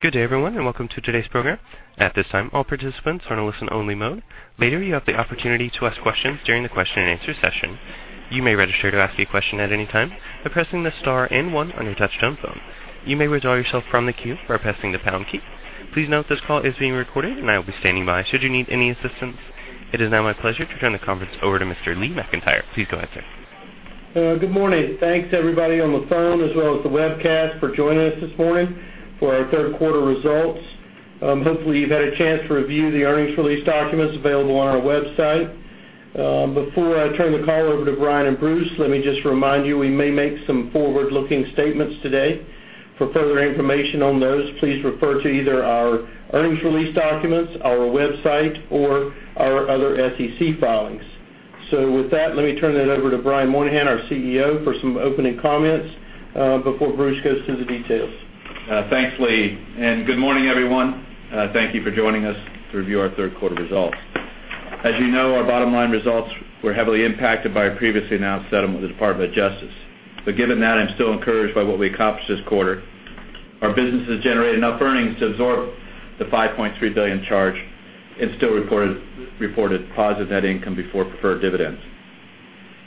Good day, everyone. Welcome to today's program. At this time, all participants are in a listen-only mode. Later, you have the opportunity to ask questions during the question-and-answer session. You may register to ask a question at any time by pressing the star and one on your touch-tone phone. You may withdraw yourself from the queue by pressing the pound key. Please note this call is being recorded. I will be standing by should you need any assistance. It is now my pleasure to turn the conference over to Mr. Lee McEntire. Please go ahead, sir. Good morning. Thanks, everybody on the phone, as well as the webcast, for joining us this morning for our third-quarter results. Hopefully, you've had a chance to review the earnings release documents available on our website. Before I turn the call over to Brian and Bruce, let me just remind you, we may make some forward-looking statements today. For further information on those, please refer to either our earnings release documents, our website, or our other SEC filings. With that, let me turn it over to Brian Moynihan, our CEO, for some opening comments before Bruce goes through the details. Thanks, Lee. Good morning, everyone. Thank you for joining us to review our third quarter results. As you know, our bottom-line results were heavily impacted by our previously announced settlement with the Department of Justice. Given that, I'm still encouraged by what we accomplished this quarter. Our business has generated enough earnings to absorb the $5.3 billion charge and still reported positive net income before preferred dividends.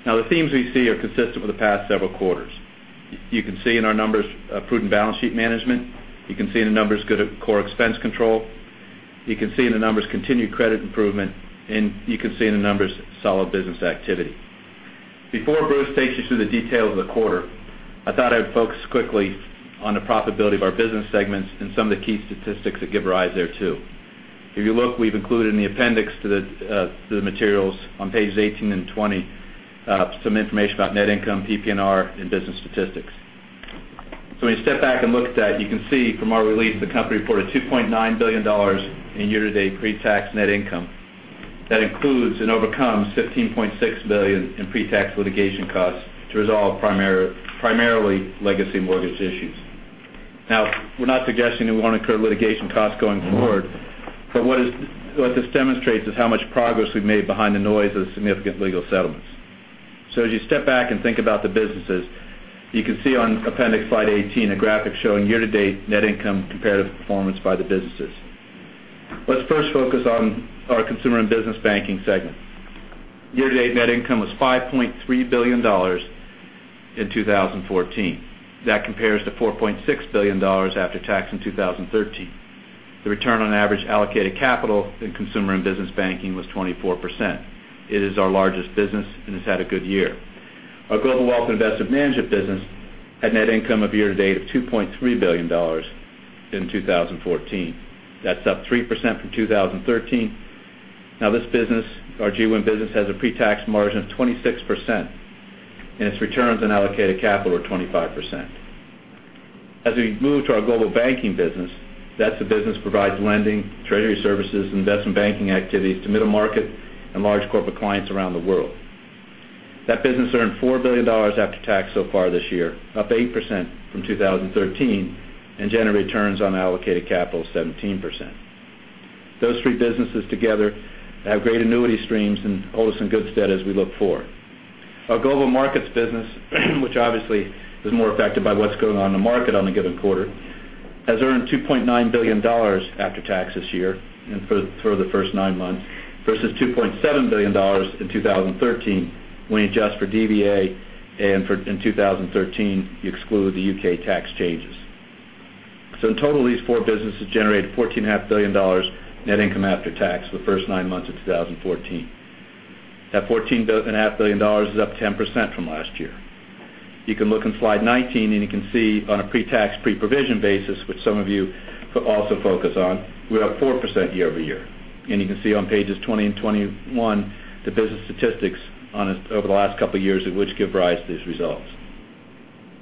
The themes we see are consistent with the past several quarters. You can see in our numbers a prudent balance sheet management. You can see in the numbers good core expense control. You can see in the numbers continued credit improvement. You can see in the numbers solid business activity. Before Bruce takes you through the details of the quarter, I thought I would focus quickly on the profitability of our business segments and some of the key statistics that give rise there, too. If you look, we've included in the appendix to the materials on pages 18 and 20 some information about net income, PNR, and business statistics. When you step back and look at that, you can see from our release, the company reported $2.9 billion in year-to-date pre-tax net income. That includes and overcomes $15.6 billion in pre-tax litigation costs to resolve primarily legacy mortgage issues. We're not suggesting that we want to incur litigation costs going forward. What this demonstrates is how much progress we've made behind the noise of significant legal settlements. As you step back and think about the businesses, you can see on appendix slide 18 a graphic showing year-to-date net income comparative performance by the businesses. Let's first focus on our consumer and business banking segment. Year-to-date net income was $5.3 billion in 2014. That compares to $4.6 billion after tax in 2013. The return on average allocated capital in consumer and business banking was 24%. It is our largest business and has had a good year. Our Global Wealth and Investment Management business had net income of year-to-date of $2.3 billion in 2014. That's up 3% from 2013. Now, this business, our GWIM business, has a pre-tax margin of 26%, and its returns on allocated capital are 25%. As we move to our global banking business, that's the business provides lending, treasury services, investment banking activities to middle-market and large corporate clients around the world. That business earned $4 billion after tax so far this year, up 8% from 2013, and generated returns on allocated capital of 17%. Those three businesses together have great annuity streams and hold us in good stead as we look forward. Our Global Markets business, which obviously is more affected by what's going on in the market on a given quarter, has earned $2.9 billion after tax this year and for the first nine months versus $2.7 billion in 2013 when you adjust for DVA and in 2013, you exclude the U.K. tax changes. In total, these four businesses generated $14.5 billion net income after tax for the first nine months of 2014. That $14.5 billion is up 10% from last year. You can look on slide 19, and you can see on a pre-tax, pre-provision basis, which some of you could also focus on, we're up 4% year-over-year. And you can see on pages 20 and 21 the business statistics over the last couple of years which give rise to these results.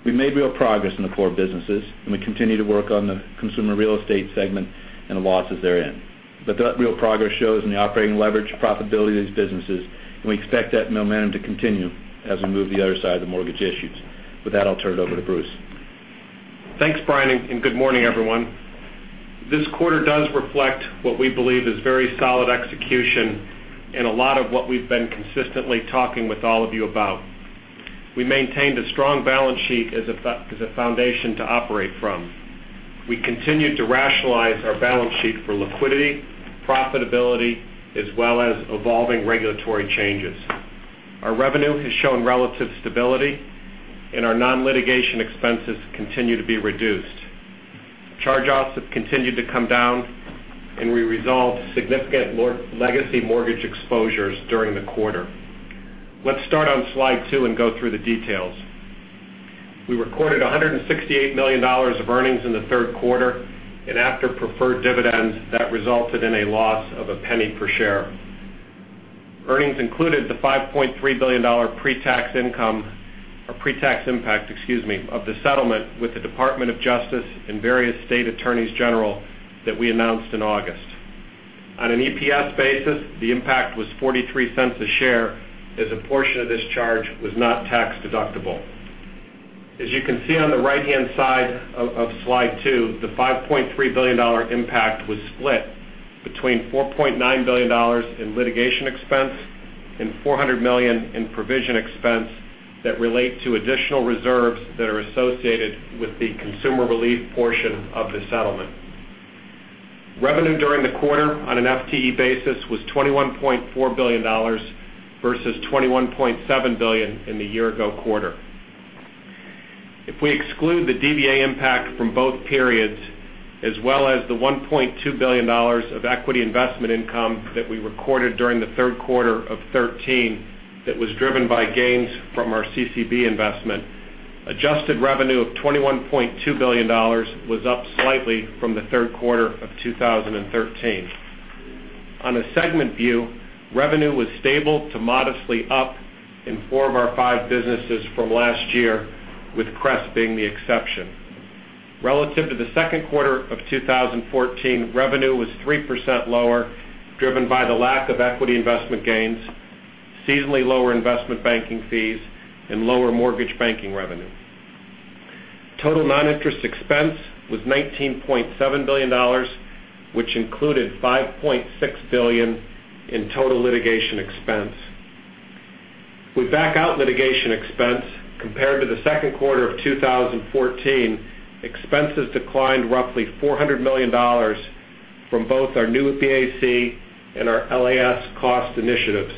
We made real progress in the core businesses, and we continue to work on the consumer real estate segment and the losses therein. But that real progress shows in the operating leverage profitability of these businesses, and we expect that momentum to continue as we move the other side of the mortgage issues. With that, I'll turn it over to Bruce. Thanks, Brian, and good morning, everyone. This quarter does reflect what we believe is very solid execution and a lot of what we've been consistently talking with all of you about. We maintained a strong balance sheet as a foundation to operate from. We continued to rationalize our balance sheet for liquidity, profitability, as well as evolving regulatory changes. Our revenue has shown relative stability, and our non-litigation expenses continue to be reduced. Charge-offs have continued to come down, and we resolved significant legacy mortgage exposures during the quarter. Let's start on slide two and go through the details. We recorded $168 million of earnings in the third quarter, and after preferred dividends, that resulted in a loss of $0.01 per share. Earnings included the $5.3 billion pre-tax income, or pre-tax impact, excuse me, of the settlement with the Department of Justice and various state attorneys general that we announced in August. On an EPS basis, the impact was $0.43 a share, as a portion of this charge was not tax-deductible. As you can see on the right-hand side of slide two, the $5.3 billion impact was split Between $4.9 billion in litigation expense and $400 million in provision expense that relate to additional reserves that are associated with the consumer relief portion of the settlement. Revenue during the quarter on an FTE basis was $21.4 billion, versus $21.7 billion in the year-ago quarter. If we exclude the DVA impact from both periods, as well as the $1.2 billion of equity investment income that we recorded during the third quarter of 2013, that was driven by gains from our CCB investment, adjusted revenue of $21.2 billion was up slightly from the third quarter of 2013. On a segment view, revenue was stable to modestly up in four of our five businesses from last year, with CRES being the exception. Relative to the second quarter of 2014, revenue was 3% lower, driven by the lack of equity investment gains, seasonally lower investment banking fees, and lower mortgage banking revenue. Total non-interest expense was $19.7 billion, which included $5.6 billion in total litigation expense. If we back out litigation expense compared to the second quarter of 2014, expenses declined roughly $400 million from both our New BAC and our LAS cost initiatives,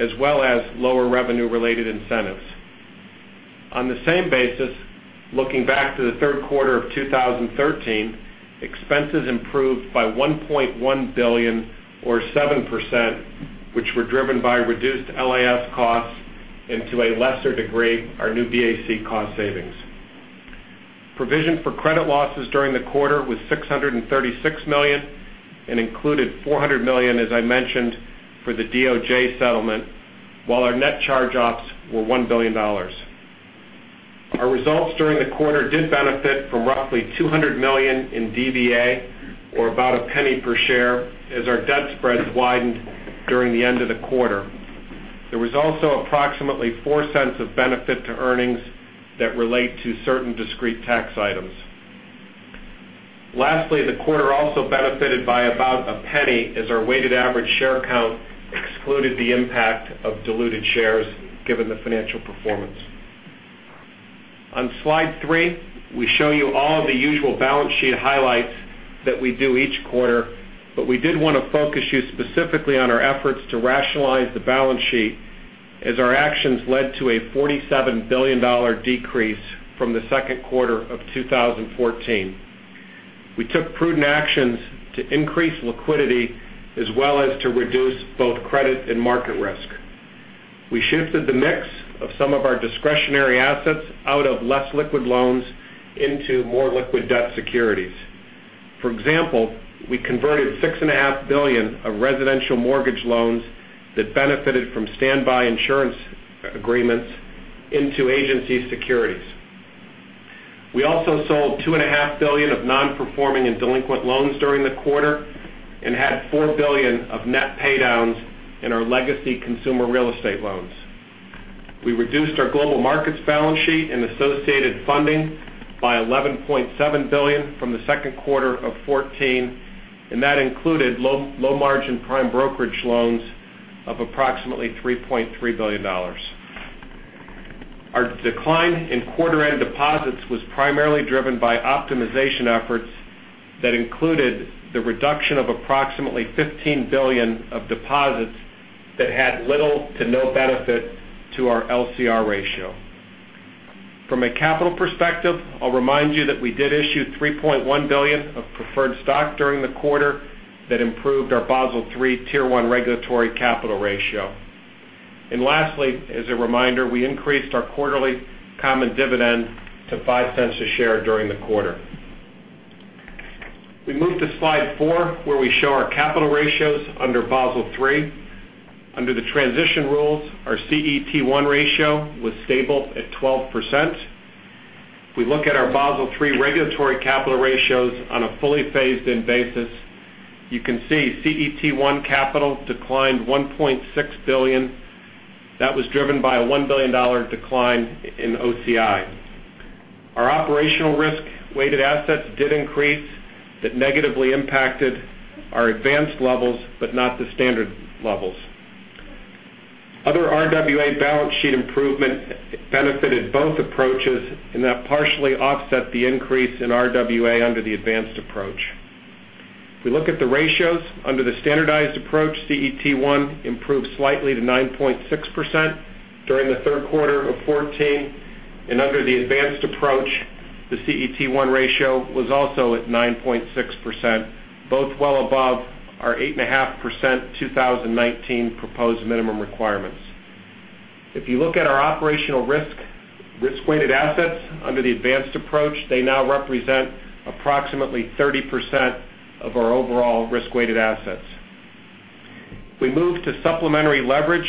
as well as lower revenue-related incentives. On the same basis, looking back to the third quarter of 2013, expenses improved by $1.1 billion or 7%, which were driven by reduced LAS costs and to a lesser degree, our New BAC cost savings. Provision for credit losses during the quarter was $636 million and included $400 million, as I mentioned, for the DOJ settlement, while our net charge-offs were $1 billion. Our results during the quarter did benefit from roughly $200 million in DVA or about $0.01 per share as our debt spreads widened during the end of the quarter. There was also approximately $0.04 of benefit to earnings that relate to certain discrete tax items. Lastly, the quarter also benefited by about $0.01 as our weighted average share count excluded the impact of diluted shares given the financial performance. On slide three, we show you all of the usual balance sheet highlights that we do each quarter, but we did want to focus you specifically on our efforts to rationalize the balance sheet as our actions led to a $47 billion decrease from the second quarter of 2014. We took prudent actions to increase liquidity as well as to reduce both credit and market risk. We shifted the mix of some of our discretionary assets out of less liquid loans into more liquid debt securities. For example, we converted $6.5 billion of residential mortgage loans that benefited from standby insurance agreements into agency securities. We also sold $2.5 billion of non-performing and delinquent loans during the quarter and had $4 billion of net paydowns in our legacy consumer real estate loans. We reduced our global markets balance sheet and associated funding by $11.7 billion from the second quarter of 2014, that included low-margin prime brokerage loans of approximately $3.3 billion. Our decline in quarter-end deposits was primarily driven by optimization efforts that included the reduction of approximately $15 billion of deposits that had little to no benefit to our LCR ratio. From a capital perspective, I'll remind you that we did issue $3.1 billion of preferred stock during the quarter that improved our Basel III Tier 1 regulatory capital ratio. Lastly, as a reminder, we increased our quarterly common dividend to $0.05 a share during the quarter. We move to slide four, where we show our capital ratios under Basel III. Under the transition rules, our CET1 ratio was stable at 12%. If we look at our Basel III regulatory capital ratios on a fully phased-in basis, you can see CET1 capital declined $1.6 billion. That was driven by a $1 billion decline in OCI. Our operational risk-weighted assets did increase. That negatively impacted our advanced levels, but not the standard levels. Other RWA balance sheet improvement benefited both approaches, that partially offset the increase in RWA under the advanced approach. If we look at the ratios, under the standardized approach, CET1 improved slightly to 9.6% during the third quarter of 2014. Under the advanced approach, the CET1 ratio was also at 9.6%, both well above our 8.5% 2019 proposed minimum requirements. If you look at our operational risk-weighted assets under the advanced approach, they now represent approximately 30% of our overall risk-weighted assets. If we move to supplementary leverage,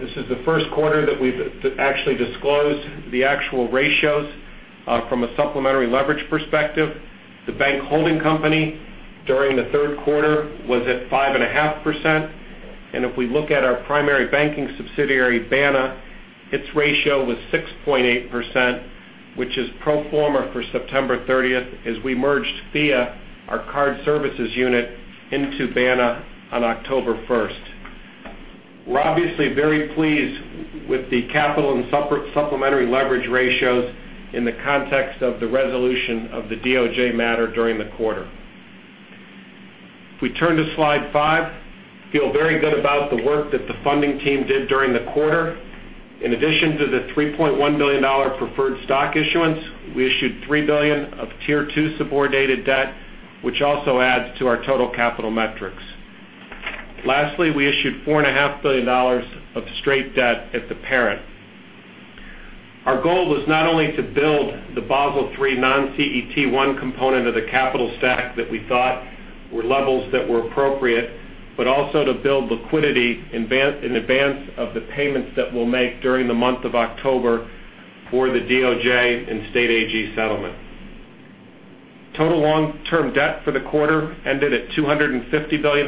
this is the first quarter that we've actually disclosed the actual ratios from a supplementary leverage perspective. The bank holding company during the third quarter was at 5.5%. If we look at our primary banking subsidiary, BANA, its ratio was 6.8%, which is pro forma for September 30th as we merged FIA Card Services, N.A., our card services unit, into BANA on October 1st. We're obviously very pleased with the capital and supplementary leverage ratios in the context of the resolution of the DOJ matter during the quarter. If we turn to Slide 5, feel very good about the work that the funding team did during the quarter. In addition to the $3.1 billion preferred stock issuance, we issued $3 billion of Tier 2 subordinated debt, which also adds to our total capital metrics. Lastly, we issued $4.5 billion of straight debt at the parent. Our goal was not only to build the Basel III non-CET1 component of the capital stack that we thought were levels that were appropriate, but also to build liquidity in advance of the payments that we'll make during the month of October for the DOJ and State AG settlement. Total long-term debt for the quarter ended at $250 billion,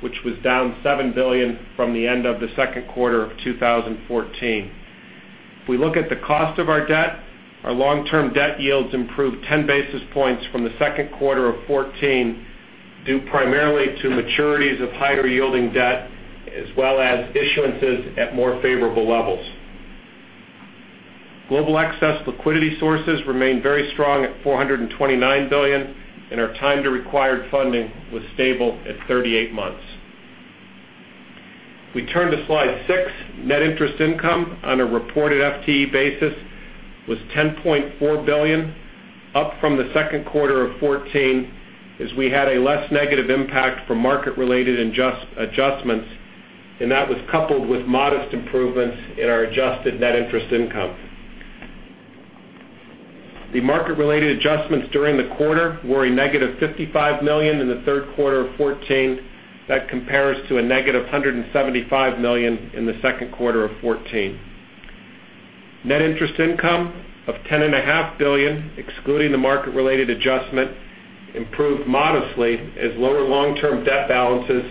which was down $7 billion from the end of the second quarter of 2014. If we look at the cost of our debt, our long-term debt yields improved 10 basis points from the second quarter of 2014, due primarily to maturities of higher-yielding debt as well as issuances at more favorable levels. Global excess liquidity sources remained very strong at $429 billion, and our time to required funding was stable at 38 months. If we turn to Slide six, net interest income on a reported FTE basis was $10.4 billion, up from the second quarter of 2014 as we had a less negative impact from market-related adjustments, that was coupled with modest improvements in our adjusted net interest income. The market-related adjustments during the quarter were a negative $55 million in the third quarter of 2014. That compares to a negative $175 million in the second quarter of 2014. Net interest income of $10.5 billion, excluding the market-related adjustment, improved modestly as lower long-term debt balances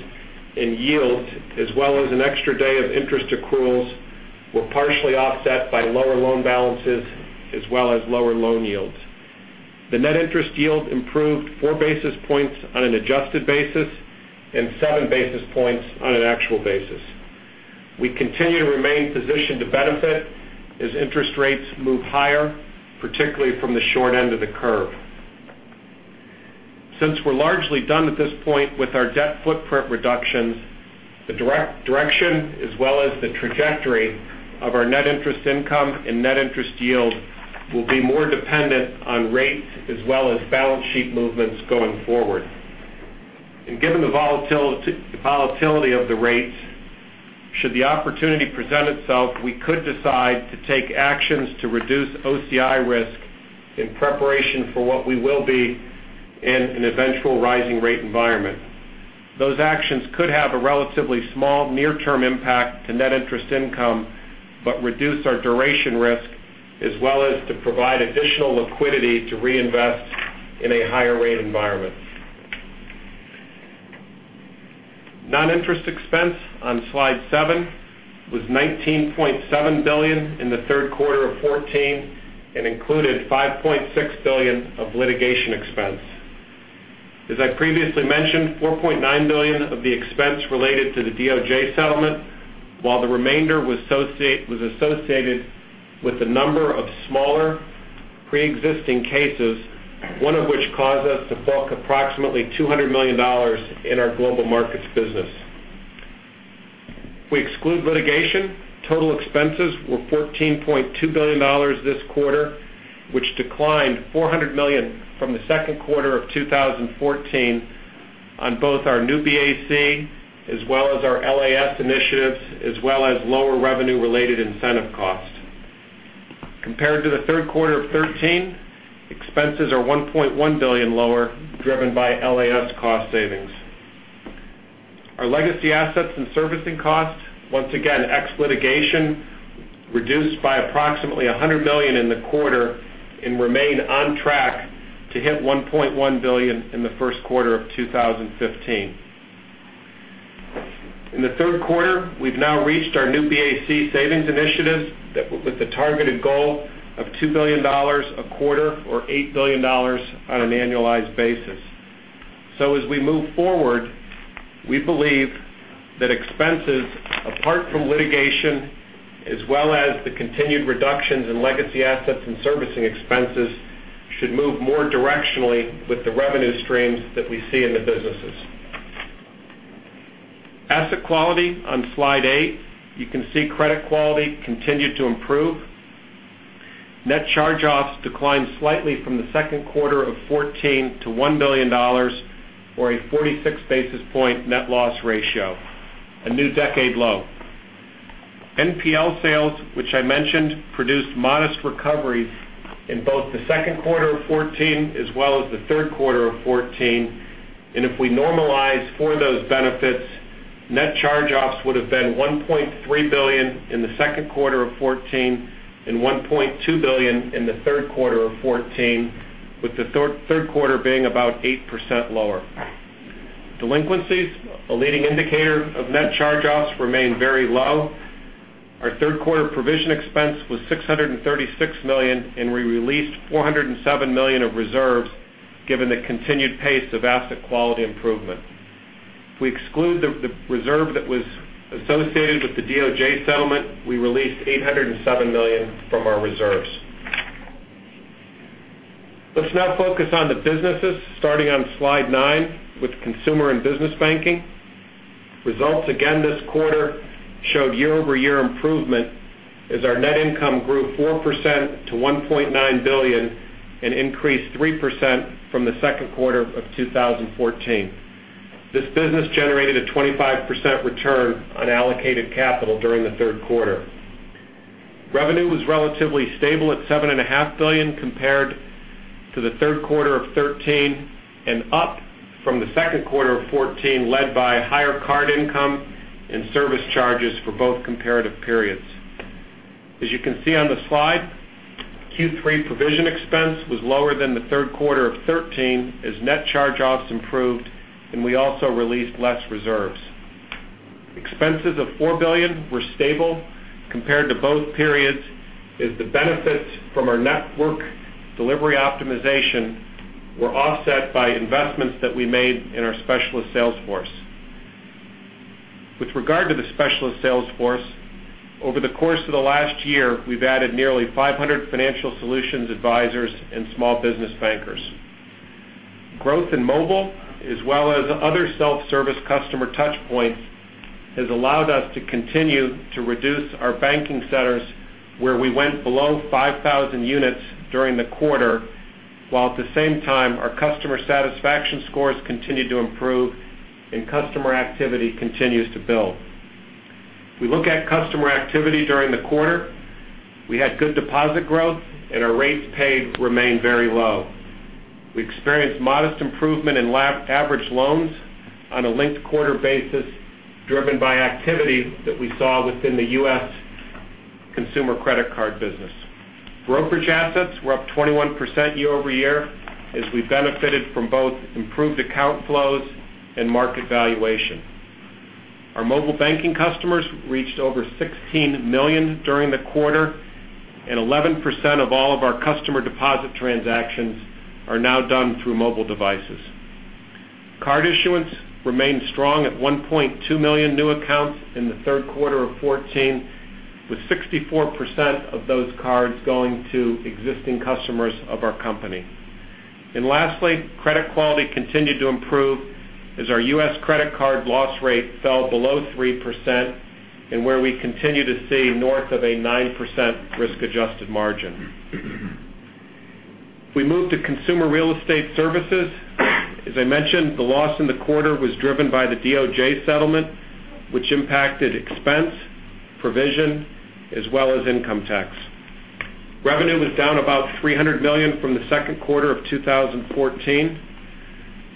and yields, as well as an extra day of interest accruals, were partially offset by lower loan balances as well as lower loan yields. The net interest yield improved four basis points on an adjusted basis and seven basis points on an actual basis. We continue to remain positioned to benefit as interest rates move higher, particularly from the short end of the curve. Since we're largely done at this point with our debt footprint reductions, the direction as well as the trajectory of our net interest income and net interest yield will be more dependent on rates as well as balance sheet movements going forward. Given the volatility of the rates, should the opportunity present itself, we could decide to take actions to reduce OCI risk in preparation for what we will be in an eventual rising rate environment. Those actions could have a relatively small near-term impact to net interest income, but reduce our duration risk as well as to provide additional liquidity to reinvest in a higher rate environment. Non-interest expense on Slide seven was $19.7 billion in the third quarter of 2014 and included $5.6 billion of litigation expense. As I previously mentioned, $4.9 billion of the expense related to the DOJ settlement, while the remainder was associated with the number of smaller pre-existing cases, one of which caused us to fork up approximately $200 million in our global markets business. If we exclude litigation, total expenses were $14.2 billion this quarter, which declined $400 million from the second quarter of 2014 on both our Project New BAC as well as our LAS initiatives, as well as lower revenue-related incentive costs. Compared to the third quarter of 2013, expenses are $1.1 billion lower, driven by LAS cost savings. Our legacy assets and servicing costs, once again, ex litigation, reduced by approximately $100 million in the quarter and remain on track to hit $1.1 billion in the first quarter of 2015. In the third quarter, we've now reached our Project New BAC savings initiatives with the targeted goal of $2 billion a quarter or $8 billion on an annualized basis. As we move forward, we believe that expenses apart from litigation as well as the continued reductions in legacy assets and servicing expenses should move more directionally with the revenue streams that we see in the businesses. Asset quality on Slide eight. You can see credit quality continued to improve. Net charge-offs declined slightly from the second quarter of 2014 to $1 billion, or a 46 basis point net loss ratio, a new decade low. NPL sales, which I mentioned, produced modest recoveries in both the second quarter of 2014 as well as the third quarter of 2014. If we normalize for those benefits, net charge-offs would have been $1.3 billion in the second quarter of 2014 and $1.2 billion in the third quarter of 2014. With the third quarter being about 8% lower. Delinquencies, a leading indicator of net charge-offs, remain very low. Our third quarter provision expense was $636 million, and we released $407 million of reserves, given the continued pace of asset quality improvement. If we exclude the reserve that was associated with the DOJ settlement, we released $807 million from our reserves. Let us now focus on the businesses, starting on slide nine with consumer and business banking. Results again this quarter showed year-over-year improvement as our net income grew 4% to $1.9 billion and increased 3% from the second quarter of 2014. This business generated a 25% return on allocated capital during the third quarter. Revenue was relatively stable at $7.5 billion compared to the third quarter of 2013, and up from the second quarter of 2014, led by higher card income and service charges for both comparative periods. As you can see on the slide, Q3 provision expense was lower than the third quarter of 2013 as net charge-offs improved, and we also released less reserves. Expenses of $4 billion were stable compared to both periods as the benefits from our network delivery optimization were offset by investments that we made in our specialist sales force. With regard to the specialist sales force, over the course of the last year, we've added nearly 500 financial solutions advisors and small business bankers. Growth in mobile, as well as other self-service customer touchpoints, has allowed us to continue to reduce our banking centers where we went below 5,000 units during the quarter. At the same time, our customer satisfaction scores continue to improve and customer activity continues to build. If we look at customer activity during the quarter, we had good deposit growth and our rates paid remain very low. We experienced modest improvement in average loans on a linked quarter basis, driven by activity that we saw within the U.S. consumer credit card business. Brokerage assets were up 21% year-over-year as we benefited from both improved account flows and market valuation. Our mobile banking customers reached over 16 million during the quarter, and 11% of all of our customer deposit transactions are now done through mobile devices. Card issuance remains strong at 1.2 million new accounts in the third quarter of 2014, with 64% of those cards going to existing customers of our company. Lastly, credit quality continued to improve as our U.S. credit card loss rate fell below 3% and where we continue to see north of a 9% risk-adjusted margin. If we move to consumer real estate services, as I mentioned, the loss in the quarter was driven by the DOJ settlement, which impacted expense, provision, as well as income tax. Revenue was down about $300 million from the second quarter of 2014.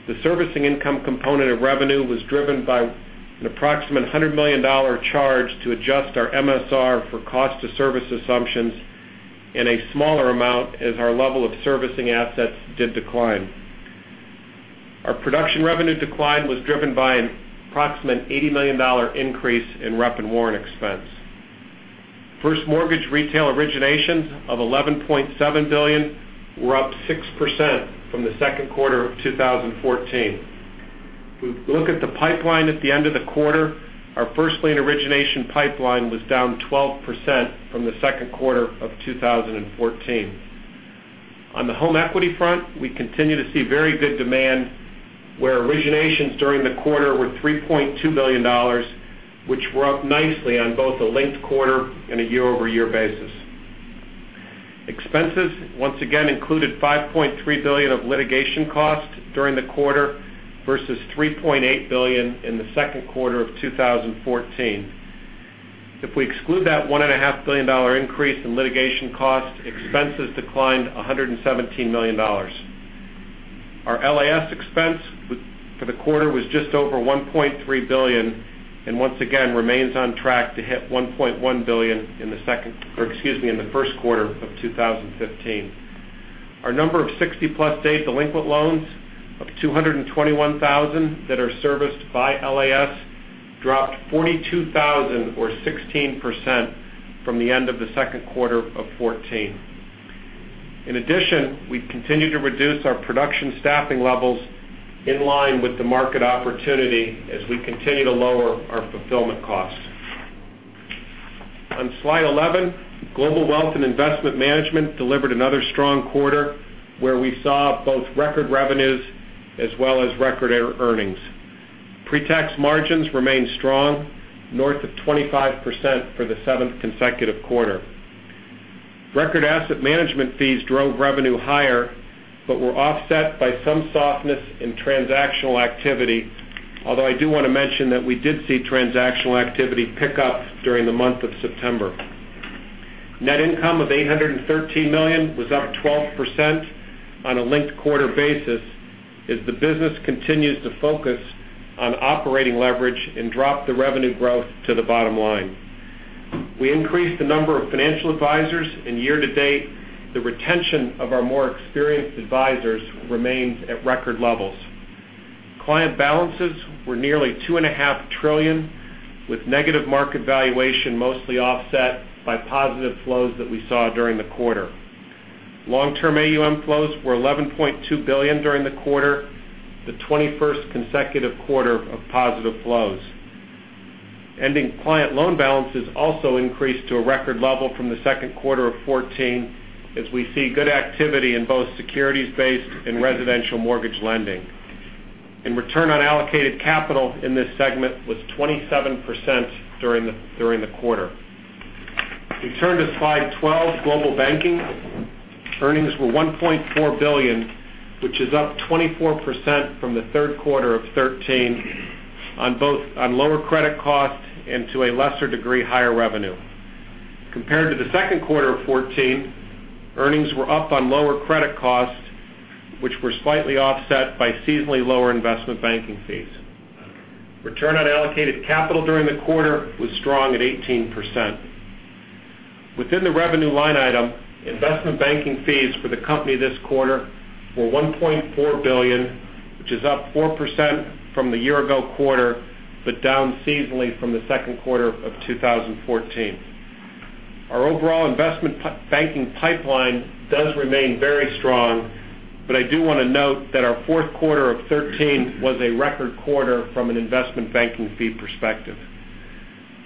The servicing income component of revenue was driven by an approximate $100 million charge to adjust our MSR for cost to service assumptions and a smaller amount as our level of servicing assets did decline. Our production revenue decline was driven by an approximate $80 million increase in rep and warrant expense. First mortgage retail originations of $11.7 billion were up 6% from the second quarter of 2014. If we look at the pipeline at the end of the quarter, our first lien origination pipeline was down 12% from the second quarter of 2014. On the home equity front, we continue to see very good demand, where originations during the quarter were $3.2 billion, which were up nicely on both a linked quarter and a year-over-year basis. Expenses once again included $5.3 billion of litigation costs during the quarter versus $3.8 billion in the second quarter of 2014. If we exclude that $1.5 billion increase in litigation cost, expenses declined $117 million. Our LAS expense for the quarter was just over $1.3 billion and once again remains on track to hit $1.1 billion in the first quarter of 2015. Our number of 60-plus day delinquent loans of 221,000 that are serviced by LAS dropped 42,000 or 16% from the end of the second quarter of 2014. In addition, we continue to reduce our production staffing levels in line with the market opportunity as we continue to lower our fulfillment costs. On slide 11, Global Wealth and Investment Management delivered another strong quarter where we saw both record revenues as well as record earnings. Pre-tax margins remained strong, north of 25% for the seventh consecutive quarter. Record asset management fees drove revenue higher, but were offset by some softness in transactional activity. Although I do want to mention that we did see transactional activity pick up during the month of September. Net income of $813 million was up 12% on a linked quarter basis as the business continues to focus on operating leverage and drop the revenue growth to the bottom line. We increased the number of financial advisors, and year-to-date, the retention of our more experienced advisors remains at record levels. Client balances were nearly two and a half trillion, with negative market valuation mostly offset by positive flows that we saw during the quarter. Long-term AUM flows were $11.2 billion during the quarter, the 21st consecutive quarter of positive flows. Ending client loan balances also increased to a record level from the second quarter of 2014, as we see good activity in both securities-based and residential mortgage lending. Return on allocated capital in this segment was 27% during the quarter. If we turn to slide 12, Global Banking, earnings were $1.4 billion, which is up 24% from the third quarter of 2013 on lower credit costs and to a lesser degree, higher revenue. Compared to the second quarter of 2014, earnings were up on lower credit costs, which were slightly offset by seasonally lower investment banking fees. Return on allocated capital during the quarter was strong at 18%. Within the revenue line item, investment banking fees for the company this quarter were $1.4 billion, which is up 4% from the year ago quarter, but down seasonally from the second quarter of 2014. Our overall investment banking pipeline does remain very strong, but I do want to note that our fourth quarter of 2013 was a record quarter from an investment banking fee perspective.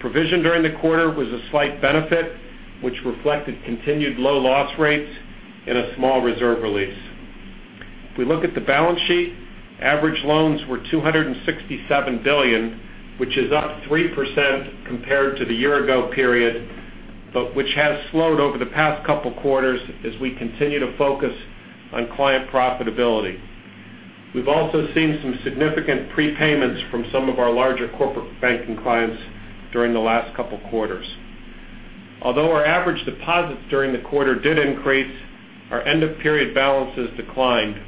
Provision during the quarter was a slight benefit, which reflected continued low loss rates and a small reserve release. If we look at the balance sheet, average loans were $267 billion, which is up 3% compared to the year ago period, but which has slowed over the past couple quarters as we continue to focus on client profitability. We've also seen some significant prepayments from some of our larger corporate banking clients during the last couple quarters. Although our average deposits during the quarter did increase, our end-of-period balances declined.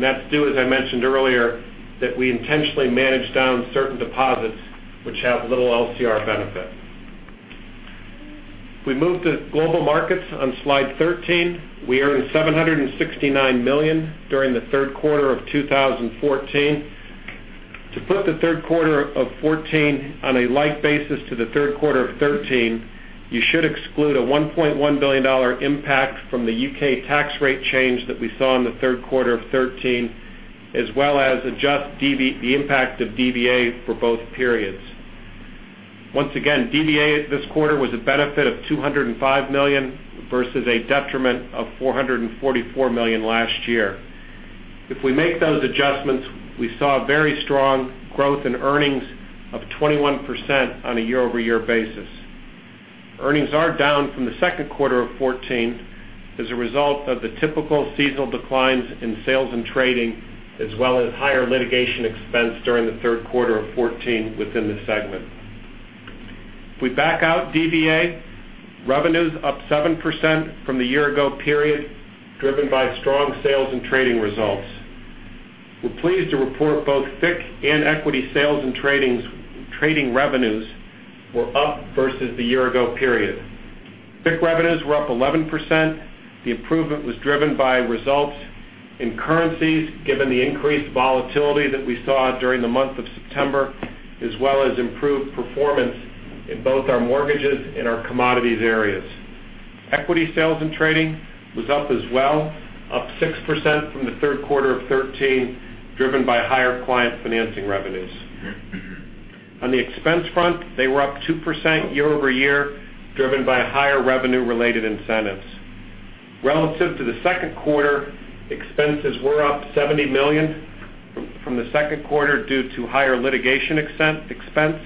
That's due, as I mentioned earlier, that we intentionally managed down certain deposits, which have little LCR benefit. If we move to Global Markets on Slide 13, we earned $769 million during the third quarter of 2014. To put the third quarter of 2014 on a like basis to the third quarter of 2013, you should exclude a $1.1 billion impact from the U.K. tax rate change that we saw in the third quarter of 2013, as well as adjust the impact of DVA for both periods. Once again, DVA this quarter was a benefit of $205 million versus a detriment of $444 million last year. If we make those adjustments, we saw very strong growth in earnings of 21% on a year-over-year basis. Earnings are down from the second quarter of 2014 as a result of the typical seasonal declines in sales and trading, as well as higher litigation expense during the third quarter of 2014 within the segment. If we back out DVA, revenue's up 7% from the year-ago period, driven by strong sales and trading results. We're pleased to report both FICC and equity sales and trading revenues were up versus the year-ago period. FICC revenues were up 11%. The improvement was driven by results in currencies, given the increased volatility that we saw during the month of September, as well as improved performance in both our mortgages and our commodities areas. Equity sales and trading was up as well, up 6% from the third quarter of 2013, driven by higher client financing revenues. On the expense front, they were up 2% year-over-year, driven by higher revenue-related incentives. Relative to the second quarter, expenses were up $70 million from the second quarter due to higher litigation expense.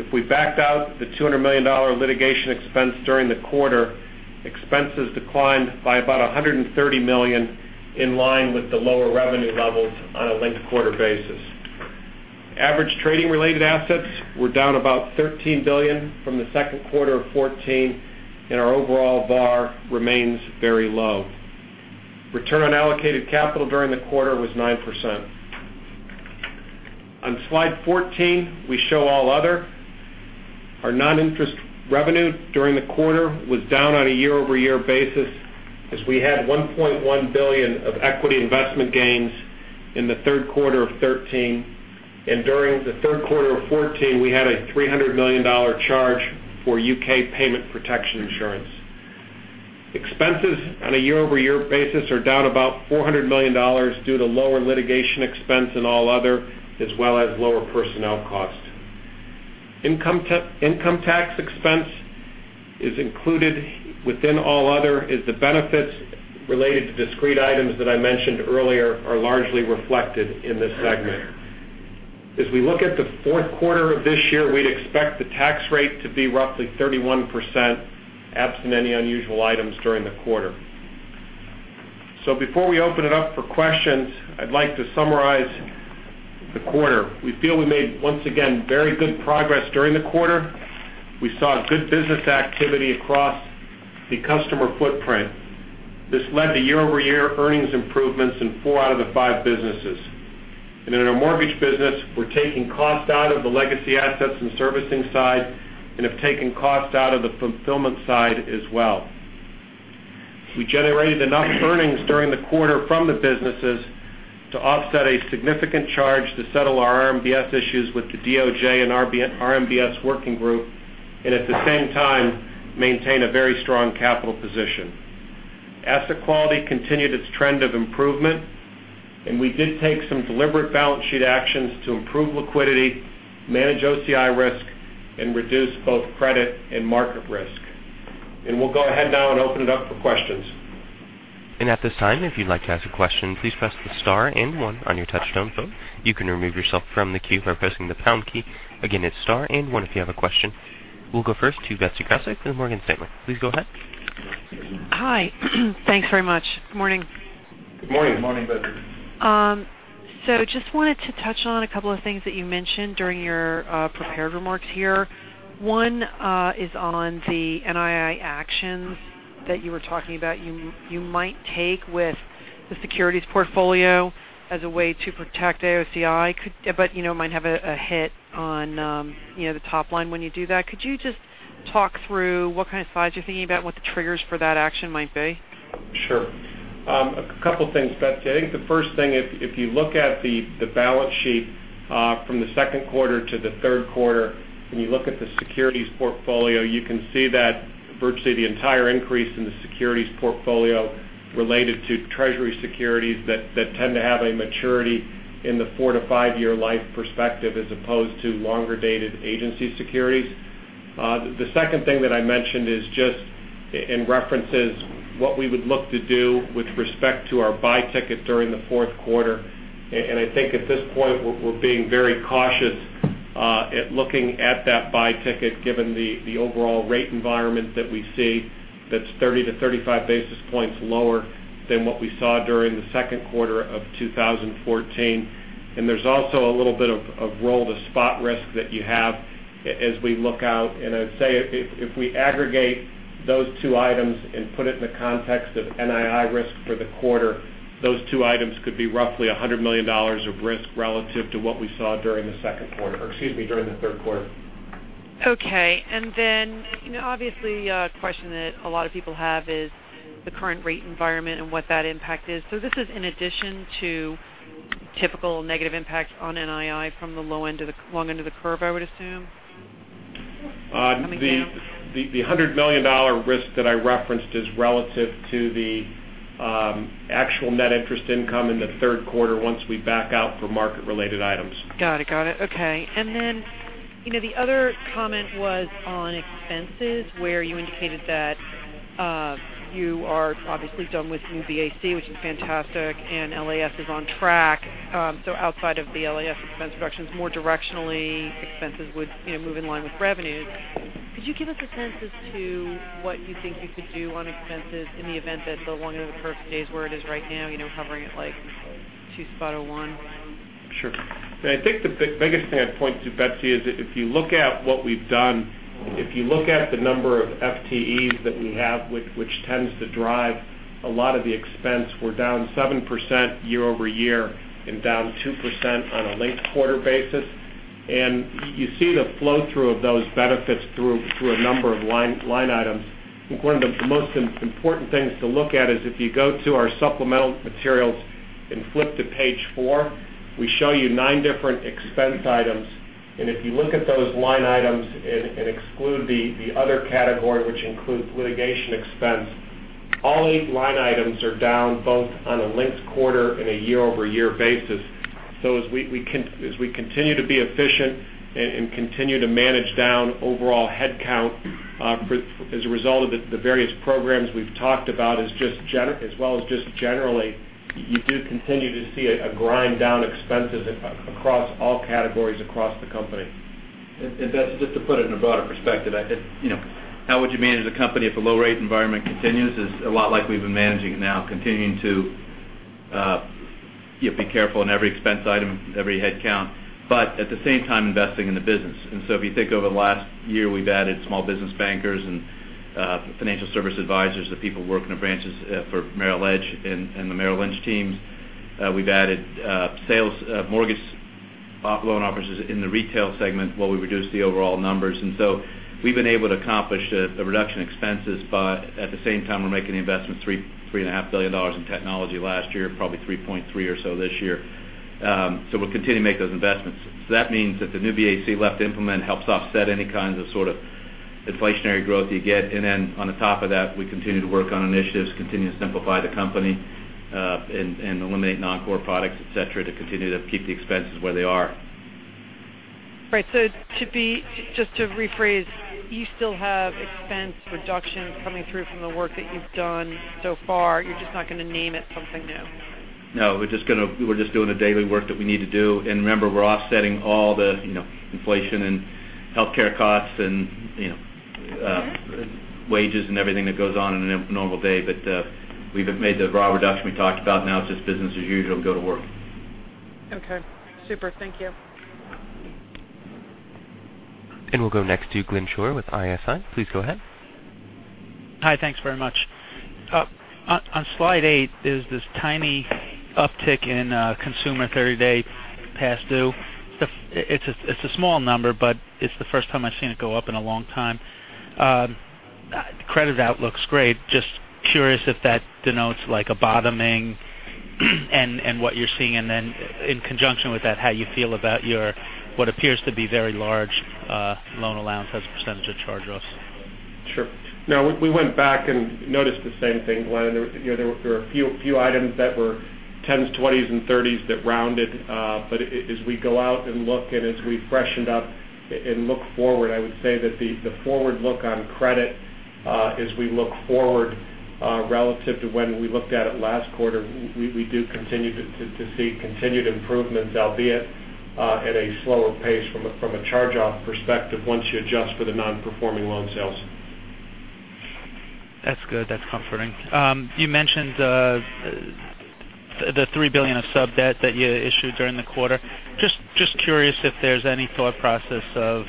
If we backed out the $200 million litigation expense during the quarter, expenses declined by about $130 million, in line with the lower revenue levels on a linked-quarter basis. Average trading-related assets were down about $13 billion from the second quarter of 2014, and our overall VaR remains very low. Return on allocated capital during the quarter was 9%. On Slide 14, we show All Other. Our non-interest revenue during the quarter was down on a year-over-year basis as we had $1.1 billion of equity investment gains in the third quarter of 2013. During the third quarter of 2014, we had a $300 million charge for U.K. Payment Protection Insurance. Expenses on a year-over-year basis are down about $400 million due to lower litigation expense in All Other, as well as lower personnel costs. Income tax expense is included within All Other as the benefits related to discrete items that I mentioned earlier are largely reflected in this segment. As we look at the fourth quarter of this year, we'd expect the tax rate to be roughly 31%, absent any unusual items during the quarter. Before we open it up for questions, I'd like to summarize the quarter. We feel we made, once again, very good progress during the quarter. We saw good business activity across the customer footprint. This led to year-over-year earnings improvements in four out of the five businesses. In our mortgage business, we're taking cost out of the legacy assets and servicing side and have taken cost out of the fulfillment side as well. We generated enough earnings during the quarter from the businesses to offset a significant charge to settle our RMBS issues with the DOJ and RMBS working group. At the same time, maintain a very strong capital position. Asset quality continued its trend of improvement. We did take some deliberate balance sheet actions to improve liquidity, manage OCI risk, and reduce both credit and market risk. We'll go ahead now and open it up for questions. At this time, if you'd like to ask a question, please press the star and one on your touch-tone phone. You can remove yourself from the queue by pressing the pound key. Again, it's star and one if you have a question. We'll go first to Betsy Graseck with Morgan Stanley. Please go ahead. Hi. Thanks very much. Good morning. Good morning. Good morning, Betsy. Just wanted to touch on a couple of things that you mentioned during your prepared remarks here. One is on the NII actions that you were talking about you might take with the securities portfolio as a way to protect OCI. It might have a hit on the top line when you do that. Could you just talk through what kind of slides you're thinking about and what the triggers for that action might be? Sure. A couple things, Betsy. I think the first thing, if you look at the balance sheet from the second quarter to the third quarter, when you look at the securities portfolio, you can see that virtually the entire increase in the securities portfolio related to Treasury securities that tend to have a maturity in the four-to-five-year life perspective, as opposed to longer-dated agency securities. References what we would look to do with respect to our buy ticket during the fourth quarter. I think at this point, we're being very cautious at looking at that buy ticket, given the overall rate environment that we see that's 30 to 35 basis points lower than what we saw during the second quarter of 2014. There's also a little bit of roll to spot risk that you have as we look out. I'd say if we aggregate those two items and put it in the context of NII risk for the quarter, those two items could be roughly $100 million of risk relative to what we saw during the second quarter, or excuse me, during the third quarter. Okay. Obviously, a question that a lot of people have is the current rate environment and what that impact is. This is in addition to typical negative impacts on NII from the long end of the curve, I would assume? Coming down. The $100 million risk that I referenced is relative to the actual net interest income in the third quarter once we back out for market-related items. Got it. Okay. The other comment was on expenses, where you indicated that you are obviously done with New BAC, which is fantastic, and LAS is on track. Outside of the LAS expense reductions, more directionally, expenses would move in line with revenues. Could you give us a sense as to what you think you could do on expenses in the event that the long end of the curve stays where it is right now, hovering at 2.01%? Sure. I think the biggest thing I'd point to, Betsy, is if you look at what we've done, if you look at the number of FTEs that we have, which tends to drive a lot of the expense, we're down 7% year-over-year and down 2% on a linked-quarter basis. You see the flow-through of those benefits through a number of line items. I think one of the most important things to look at is if you go to our supplemental materials and flip to page four, we show you nine different expense items. If you look at those line items and exclude the other category, which includes litigation expense, all eight line items are down both on a linked-quarter and a year-over-year basis. As we continue to be efficient and continue to manage down overall headcount as a result of the various programs we've talked about, as well as just generally, you do continue to see a grind down expenses across all categories across the company. Just to put it in a broader perspective, how would you manage the company if a low-rate environment continues? Is a lot like we've been managing it now, continuing to be careful on every expense item, every headcount, but at the same time, investing in the business. If you think over the last year, we've added small business bankers and financial service advisors, the people working in branches for Merrill Edge and the Merrill Lynch teams. We've added sales mortgage loan officers in the retail segment while we reduced the overall numbers. We've been able to accomplish a reduction in expenses, but at the same time, we're making the investment, $3.5 billion in technology last year, probably $3.3 or so this year. We'll continue to make those investments. That means that the New BAC left to implement helps offset any kinds of inflationary growth you get. On the top of that, we continue to work on initiatives, continue to simplify the company, and eliminate non-core products, et cetera, to continue to keep the expenses where they are. Right. Just to rephrase, you still have expense reduction coming through from the work that you've done so far. You're just not going to name it something new. No, we're just doing the daily work that we need to do. Remember, we're offsetting all the inflation and healthcare costs and- Okay wages and everything that goes on in a normal day. We've made the raw reduction we talked about. Now it's just business as usual, go to work. Okay. Super. Thank you. We'll go next to Glenn Schorr with ISI. Please go ahead. Hi, thanks very much. On slide eight is this tiny uptick in consumer 30-day past due. It's a small number, but it's the first time I've seen it go up in a long time. Credit outlook's great. Just curious if that denotes a bottoming and what you're seeing. In conjunction with that, how you feel about what appears to be very large loan allowance as a percentage of charge-offs. Sure. No, we went back and noticed the same thing, Glenn. There were a few items that were 10s, 20s, and 30s that rounded. As we go out and look, as we freshened up and look forward, I would say that the forward look on credit as we look forward relative to when we looked at it last quarter, we do continue to see continued improvements, albeit at a slower pace from a charge-off perspective once you adjust for the non-performing loan sales. That's good. That's comforting. You mentioned the $3 billion of sub-debt that you issued during the quarter. Just curious if there's any thought process of,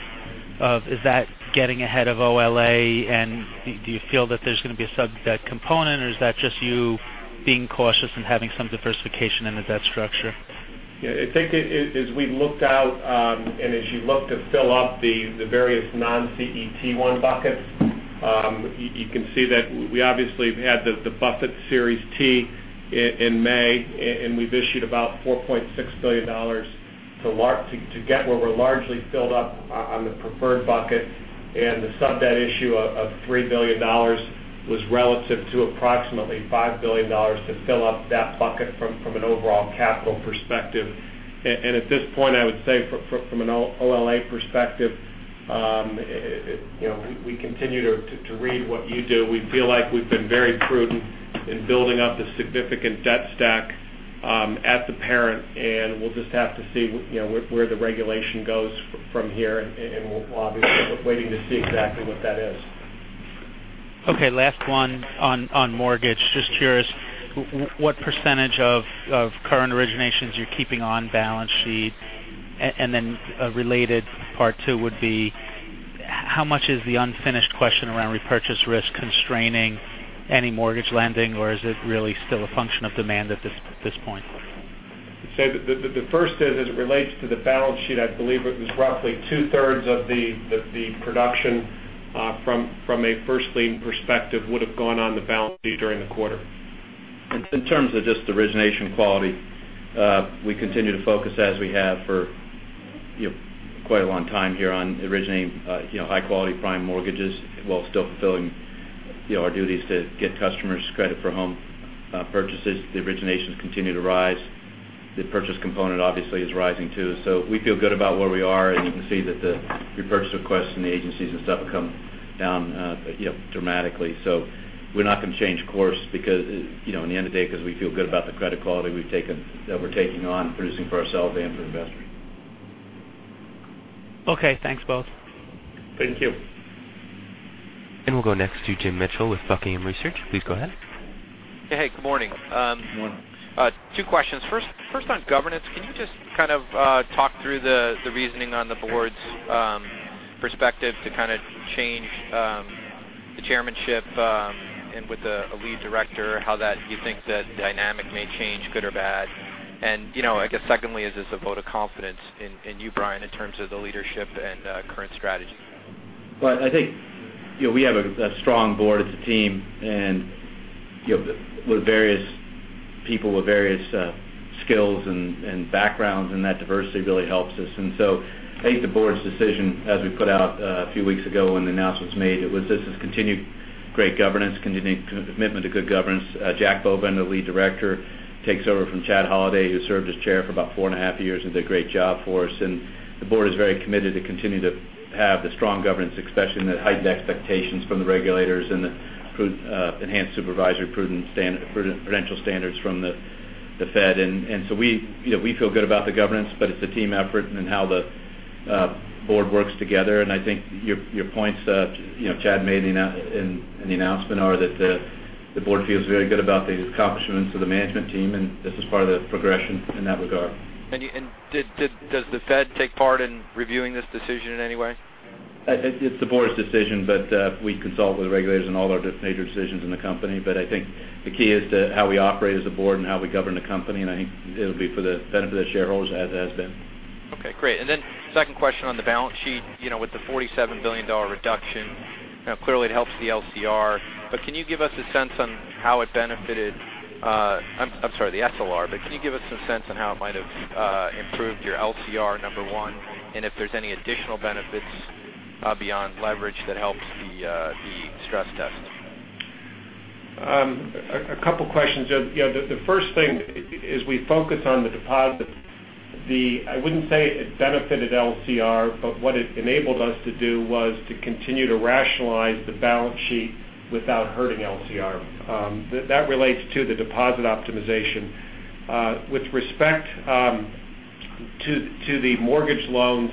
is that getting ahead of OLA, and do you feel that there's going to be a sub-debt component, or is that just you being cautious and having some diversification in the debt structure? Yeah. I think as we looked out, as you look to fill up the various non-CET1 buckets, you can see that we obviously have had the Buffett series T in May, we've issued about $4.6 billion to get where we're largely filled up on the preferred bucket. The sub-debt issue of $3 billion was relative to approximately $5 billion to fill up that bucket from an overall capital perspective. At this point, I would say from an OLA perspective, we continue to read what you do. We feel like we've been very prudent in building up the significant debt stack at the parent, and we'll just have to see where the regulation goes from here, and we're obviously waiting to see exactly what that is. Okay, last one on mortgage. Just curious, what % of current originations you're keeping on balance sheet? A related part two would be, how much is the unfinished question around repurchase risk constraining any mortgage lending, or is it really still a function of demand at this point? I'd say the first is, as it relates to the balance sheet, I believe it was roughly two-thirds of the production from a first lien perspective would've gone on the balance sheet during the quarter. In terms of just origination quality, we continue to focus as we have for quite a long time here on originating high quality prime mortgages while still fulfilling our duties to get customers credit for home purchases. The originations continue to rise. The purchase component obviously is rising too. We feel good about where we are, and you can see that the repurchase requests from the agencies have come down dramatically. We're not going to change course because, in the end of the day, we feel good about the credit quality that we're taking on and producing for ourselves and for investors. Okay, thanks both. Thank you. We'll go next to Jim Mitchell with Buckingham Research. Please go ahead. Hey, good morning. Good morning. Two questions. First on governance, can you just talk through the reasoning on the board's perspective to change the chairmanship and with a lead director, how you think that dynamic may change, good or bad? I guess secondly, is this a vote of confidence in you, Brian, in terms of the leadership and current strategy? Well, I think we have a strong board as a team, and with various people with various skills and backgrounds, and that diversity really helps us. So I think the board's decision, as we put out a few weeks ago when the announcement was made, it was this is continued great governance, continued commitment to good governance. Jack Bovender, the lead director, takes over from Chad Holliday, who served as chair for about four and a half years and did a great job for us. The board is very committed to continue to have the strong governance, especially in the heightened expectations from the regulators and the enhanced supervisory prudential standards from the Fed. So we feel good about the governance, but it's a team effort in how the board works together. I think your points that Chad made in the announcement are that the board feels very good about the accomplishments of the management team, and this is part of the progression in that regard. Does the Fed take part in reviewing this decision in any way? It's the board's decision, we consult with regulators on all our major decisions in the company. I think the key is to how we operate as a board and how we govern the company, and I think it'll be for the benefit of the shareholders as has been. Okay, great. Second question on the balance sheet. With the $47 billion reduction, clearly it helps the LCR. Can you give us a sense on how it benefited I'm sorry, the SLR. Can you give us some sense on how it might have improved your LCR, number one, and if there's any additional benefits beyond leverage that helps the stress test? A couple questions. The first thing is we focus on the deposits. I wouldn't say it benefited LCR, what it enabled us to do was to continue to rationalize the balance sheet without hurting LCR. That relates to the deposit optimization. With respect to the mortgage loans,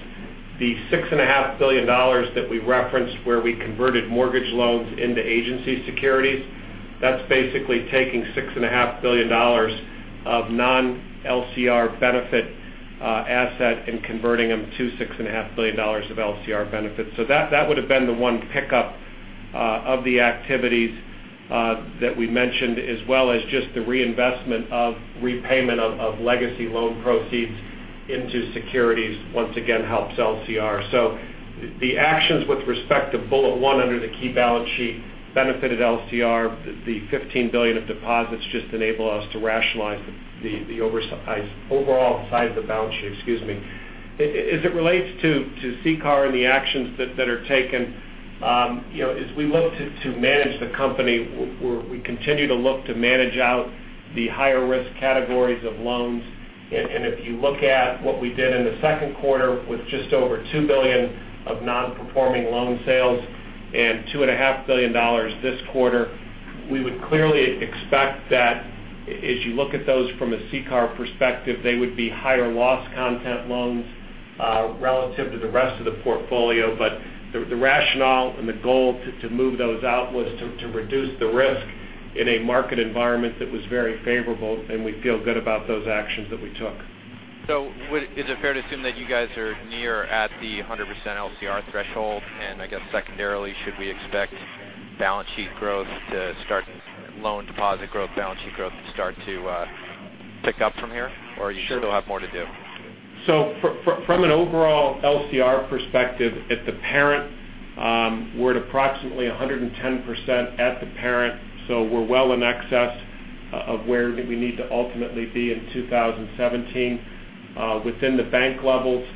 the $6.5 billion that we referenced where we converted mortgage loans into agency securities That's basically taking $6.5 billion of non-LCR benefit asset and converting them to $6.5 billion of LCR benefits. That would have been the one pickup of the activities that we mentioned, as well as just the reinvestment of repayment of legacy loan proceeds into securities, once again, helps LCR. The actions with respect to bullet one under the key balance sheet benefited LCR. The $15 billion of deposits just enable us to rationalize the overall size of the balance sheet. Excuse me. As it relates to CCAR and the actions that are taken, as we look to manage the company, we continue to look to manage out the higher risk categories of loans. If you look at what we did in the second quarter with just over $2 billion of non-performing loan sales and $2.5 billion this quarter, we would clearly expect that as you look at those from a CCAR perspective, they would be higher loss content loans relative to the rest of the portfolio. The rationale and the goal to move those out was to reduce the risk in a market environment that was very favorable, and we feel good about those actions that we took. Is it fair to assume that you guys are near at the 100% LCR threshold? I guess secondarily, should we expect loan deposit growth, balance sheet growth to start to tick up from here? You still have more to do? From an overall LCR perspective at the parent, we're at approximately 110% at the parent. We're well in excess of where we need to ultimately be in 2017. Within the bank levels,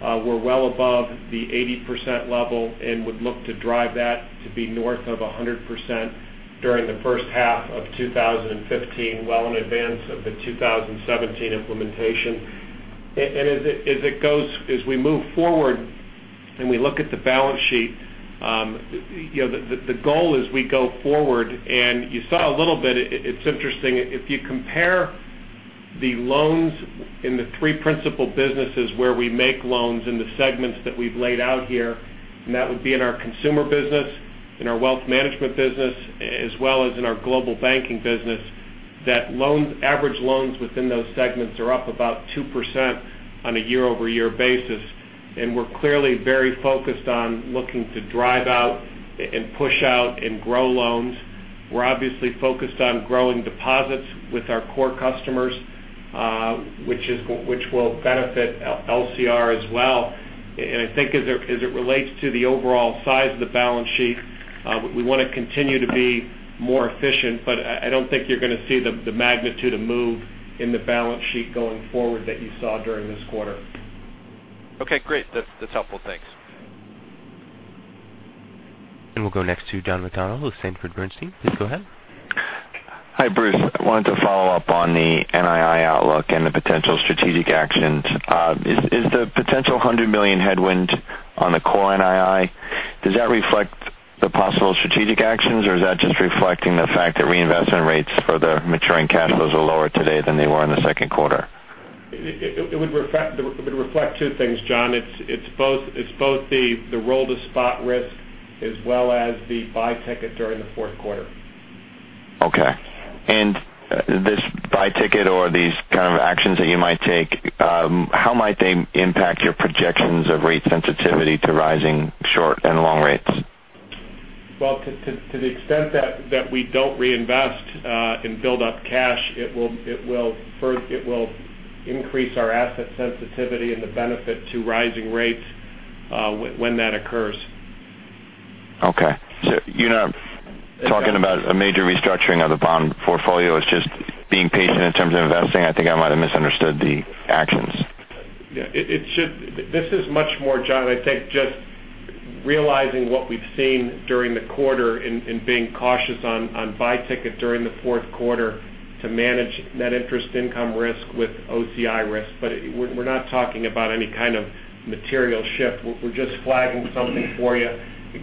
we're well above the 80% level and would look to drive that to be north of 100% during the first half of 2015, well in advance of the 2017 implementation. As we move forward and we look at the balance sheet, the goal as we go forward, and you saw a little bit, it's interesting, if you compare the loans in the three principal businesses where we make loans in the segments that we've laid out here, and that would be in our consumer business, in our wealth management business, as well as in our global banking business, that average loans within those segments are up about 2% on a year-over-year basis. We're clearly very focused on looking to drive out and push out and grow loans. We're obviously focused on growing deposits with our core customers, which will benefit LCR as well. I think as it relates to the overall size of the balance sheet, we want to continue to be more efficient, but I don't think you're going to see the magnitude of move in the balance sheet going forward that you saw during this quarter. Okay, great. That's helpful. Thanks. We'll go next to John McDonald with Sanford Bernstein. Please go ahead. Hi, Bruce. I wanted to follow up on the NII outlook and the potential strategic actions. Is the potential $100 million headwind on the core NII, does that reflect the possible strategic actions, or is that just reflecting the fact that reinvestment rates for the maturing cash flows are lower today than they were in the second quarter? It would reflect two things, John. It's both the roll to spot risk as well as the buy ticket during the fourth quarter. Okay. This buy ticket or these kind of actions that you might take, how might they impact your projections of rate sensitivity to rising short and long rates? Well, to the extent that we don't reinvest and build up cash, it will increase our asset sensitivity and the benefit to rising rates when that occurs. Okay. You're not talking about a major restructuring of the bond portfolio. It's just being patient in terms of investing. I think I might have misunderstood the actions. This is much more, John, I think just realizing what we've seen during the quarter and being cautious on buy ticket during the fourth quarter to manage net interest income risk with OCI risk. We're not talking about any kind of material shift. We're just flagging something for you,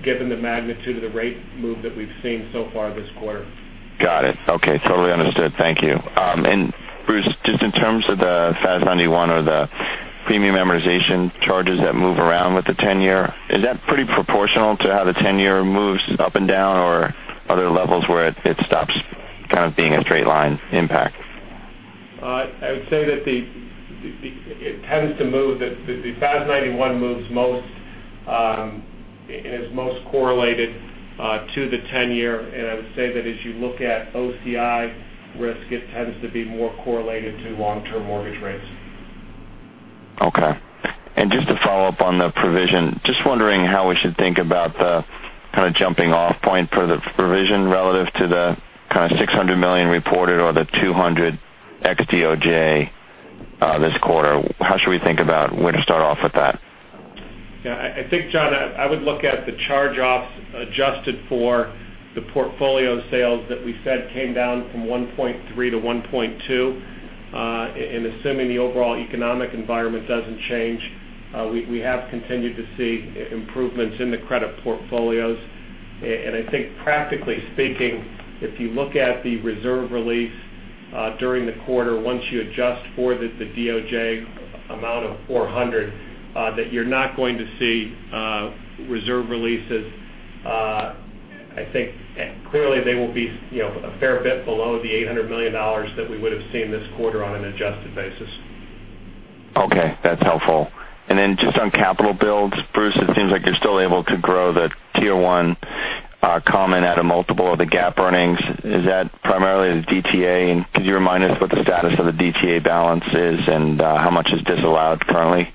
given the magnitude of the rate move that we've seen so far this quarter. Got it. Okay. Totally understood. Thank you. Bruce, just in terms of the FAS 91 or the premium amortization charges that move around with the 10-year, is that pretty proportional to how the 10-year moves up and down, or are there levels where it stops kind of being a straight line impact? I would say that it tends to move. The FAS 91 moves most and is most correlated to the 10-year. I would say that as you look at OCI risk, it tends to be more correlated to long-term mortgage rates. Okay. Just to follow up on the provision, just wondering how we should think about the kind of jumping off point for the provision relative to the kind of $600 million reported or the $200 ex DOJ this quarter. How should we think about where to start off with that? I think, John, I would look at the charge-offs adjusted for the portfolio sales that we said came down from 1.3 to 1.2. Assuming the overall economic environment doesn't change, we have continued to see improvements in the credit portfolios. I think practically speaking, if you look at the reserve release During the quarter, once you adjust for the DOJ amount of $400, that you're not going to see reserve releases. I think clearly they will be a fair bit below the $800 million that we would've seen this quarter on an adjusted basis. Okay, that's helpful. Then just on capital builds, Bruce, it seems like you're still able to grow the Tier 1 common at a multiple of the GAAP earnings. Is that primarily the DTA? Could you remind us what the status of the DTA balance is and how much is disallowed currently?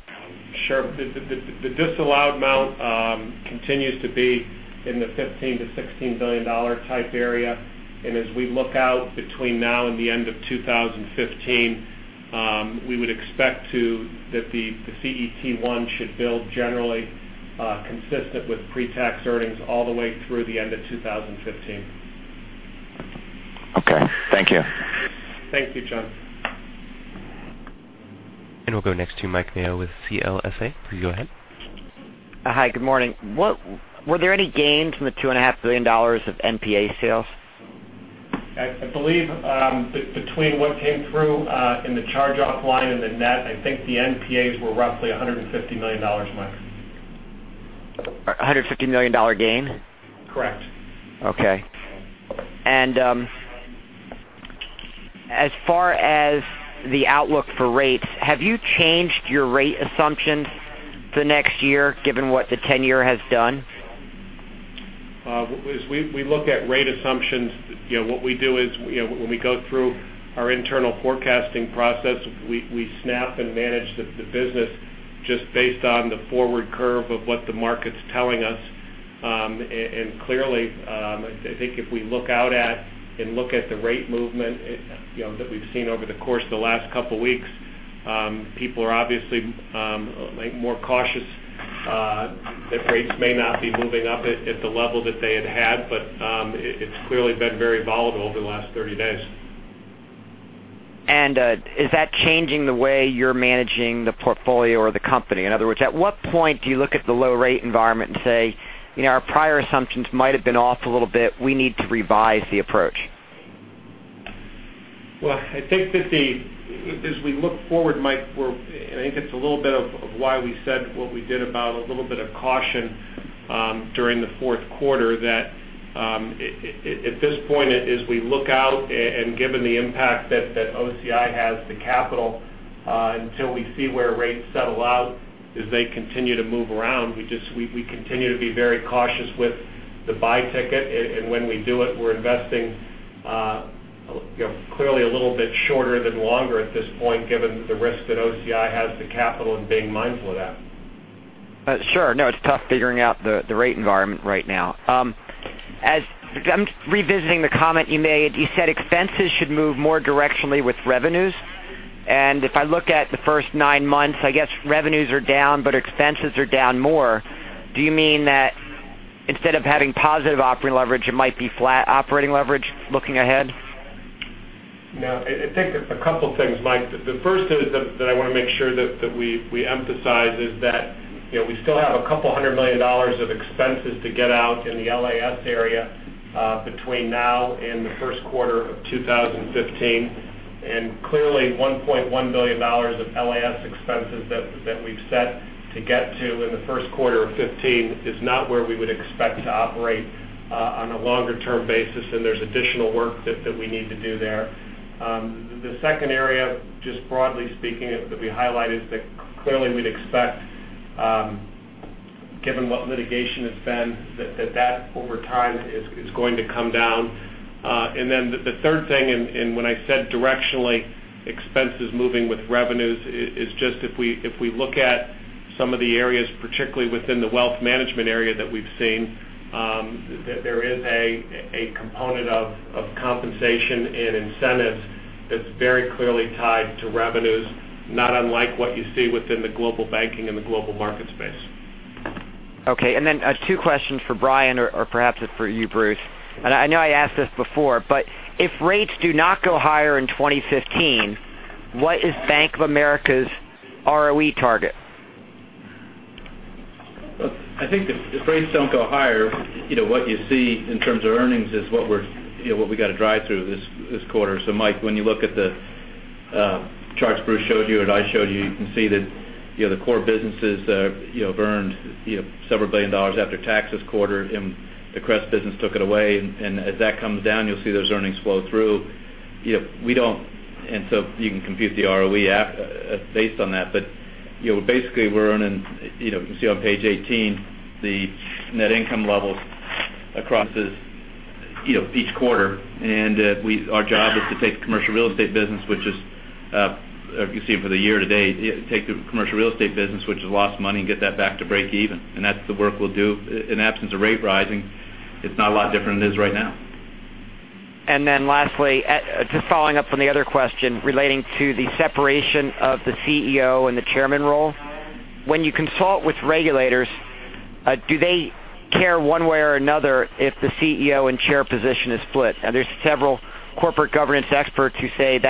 Sure. The disallowed amount continues to be in the $15 billion-$16 billion type area. As we look out between now and the end of 2015, we would expect that the CET1 should build generally consistent with pre-tax earnings all the way through the end of 2015. Okay, thank you. Thank you, John. We'll go next to Mike Mayo with CLSA. Please go ahead. Hi, good morning. Were there any gains in the $2.5 billion of NPA sales? I believe, between what came through in the charge-off line and the net, I think the NPLs were roughly $150 million, Mike. $150 million gain? Correct. Okay. As far as the outlook for rates, have you changed your rate assumptions to next year, given what the 10-year has done? As we look at rate assumptions, what we do is, when we go through our internal forecasting process, we snap and manage the business just based on the forward curve of what the market's telling us. Clearly, I think if we look out at and look at the rate movement that we've seen over the course of the last couple of weeks, people are obviously more cautious that rates may not be moving up at the level that they had had. It's clearly been very volatile over the last 30 days. Is that changing the way you're managing the portfolio or the company? In other words, at what point do you look at the low rate environment and say, "Our prior assumptions might've been off a little bit. We need to revise the approach"? Well, I think that as we look forward, Mike, I think it's a little bit of why we said what we did about a little bit of caution during the fourth quarter that, at this point, as we look out and given the impact that OCI has to capital, until we see where rates settle out as they continue to move around, we continue to be very cautious with the buy ticket. When we do it, we're investing clearly a little bit shorter than longer at this point, given the risk that OCI has to capital and being mindful of that. Sure. No, it's tough figuring out the rate environment right now. Revisiting the comment you made, you said expenses should move more directionally with revenues. If I look at the first nine months, I guess revenues are down, but expenses are down more. Do you mean that instead of having positive operating leverage, it might be flat operating leverage looking ahead? No. I think there's a couple things, Mike. The first is that I want to make sure that we emphasize is that we still have $200 million of expenses to get out in the LAS area between now and the first quarter of 2015. Clearly, $1.1 billion of LAS expenses that we've set to get to in the first quarter of 2015 is not where we would expect to operate on a longer-term basis, and there's additional work that we need to do there. The second area, just broadly speaking, that we highlighted is that clearly we'd expect, given what litigation has been, that that over time is going to come down. The third thing, and when I said directionally, expenses moving with revenues, is just if we look at some of the areas, particularly within the wealth management area that we've seen, that there is a component of compensation and incentives that's very clearly tied to revenues, not unlike what you see within the global banking and the global market space. Okay. Two questions for Brian, or perhaps for you, Bruce. I know I asked this before, but if rates do not go higher in 2015, what is Bank of America's ROE target? Look, I think if rates don't go higher, what you see in terms of earnings is what we've got to drive through this quarter. Mike, when you look at the charts Bruce showed you or I showed you can see that the core businesses have earned several billion dollars after tax this quarter, and the commercial real estate business took it away. As that comes down, you'll see those earnings flow through. You can compute the ROE based on that. Basically, you can see on page 18, the net income levels across each quarter. Our job is to take the commercial real estate business, which is, you can see for the year to date, take the commercial real estate business, which has lost money, and get that back to break even. That's the work we'll do. In absence of rate rising, it's not a lot different than it is right now. Lastly, just following up on the other question relating to the separation of the CEO and the chairman role. When you consult with regulators, do they care one way or another if the CEO and chair position is split? There's several corporate governance experts who say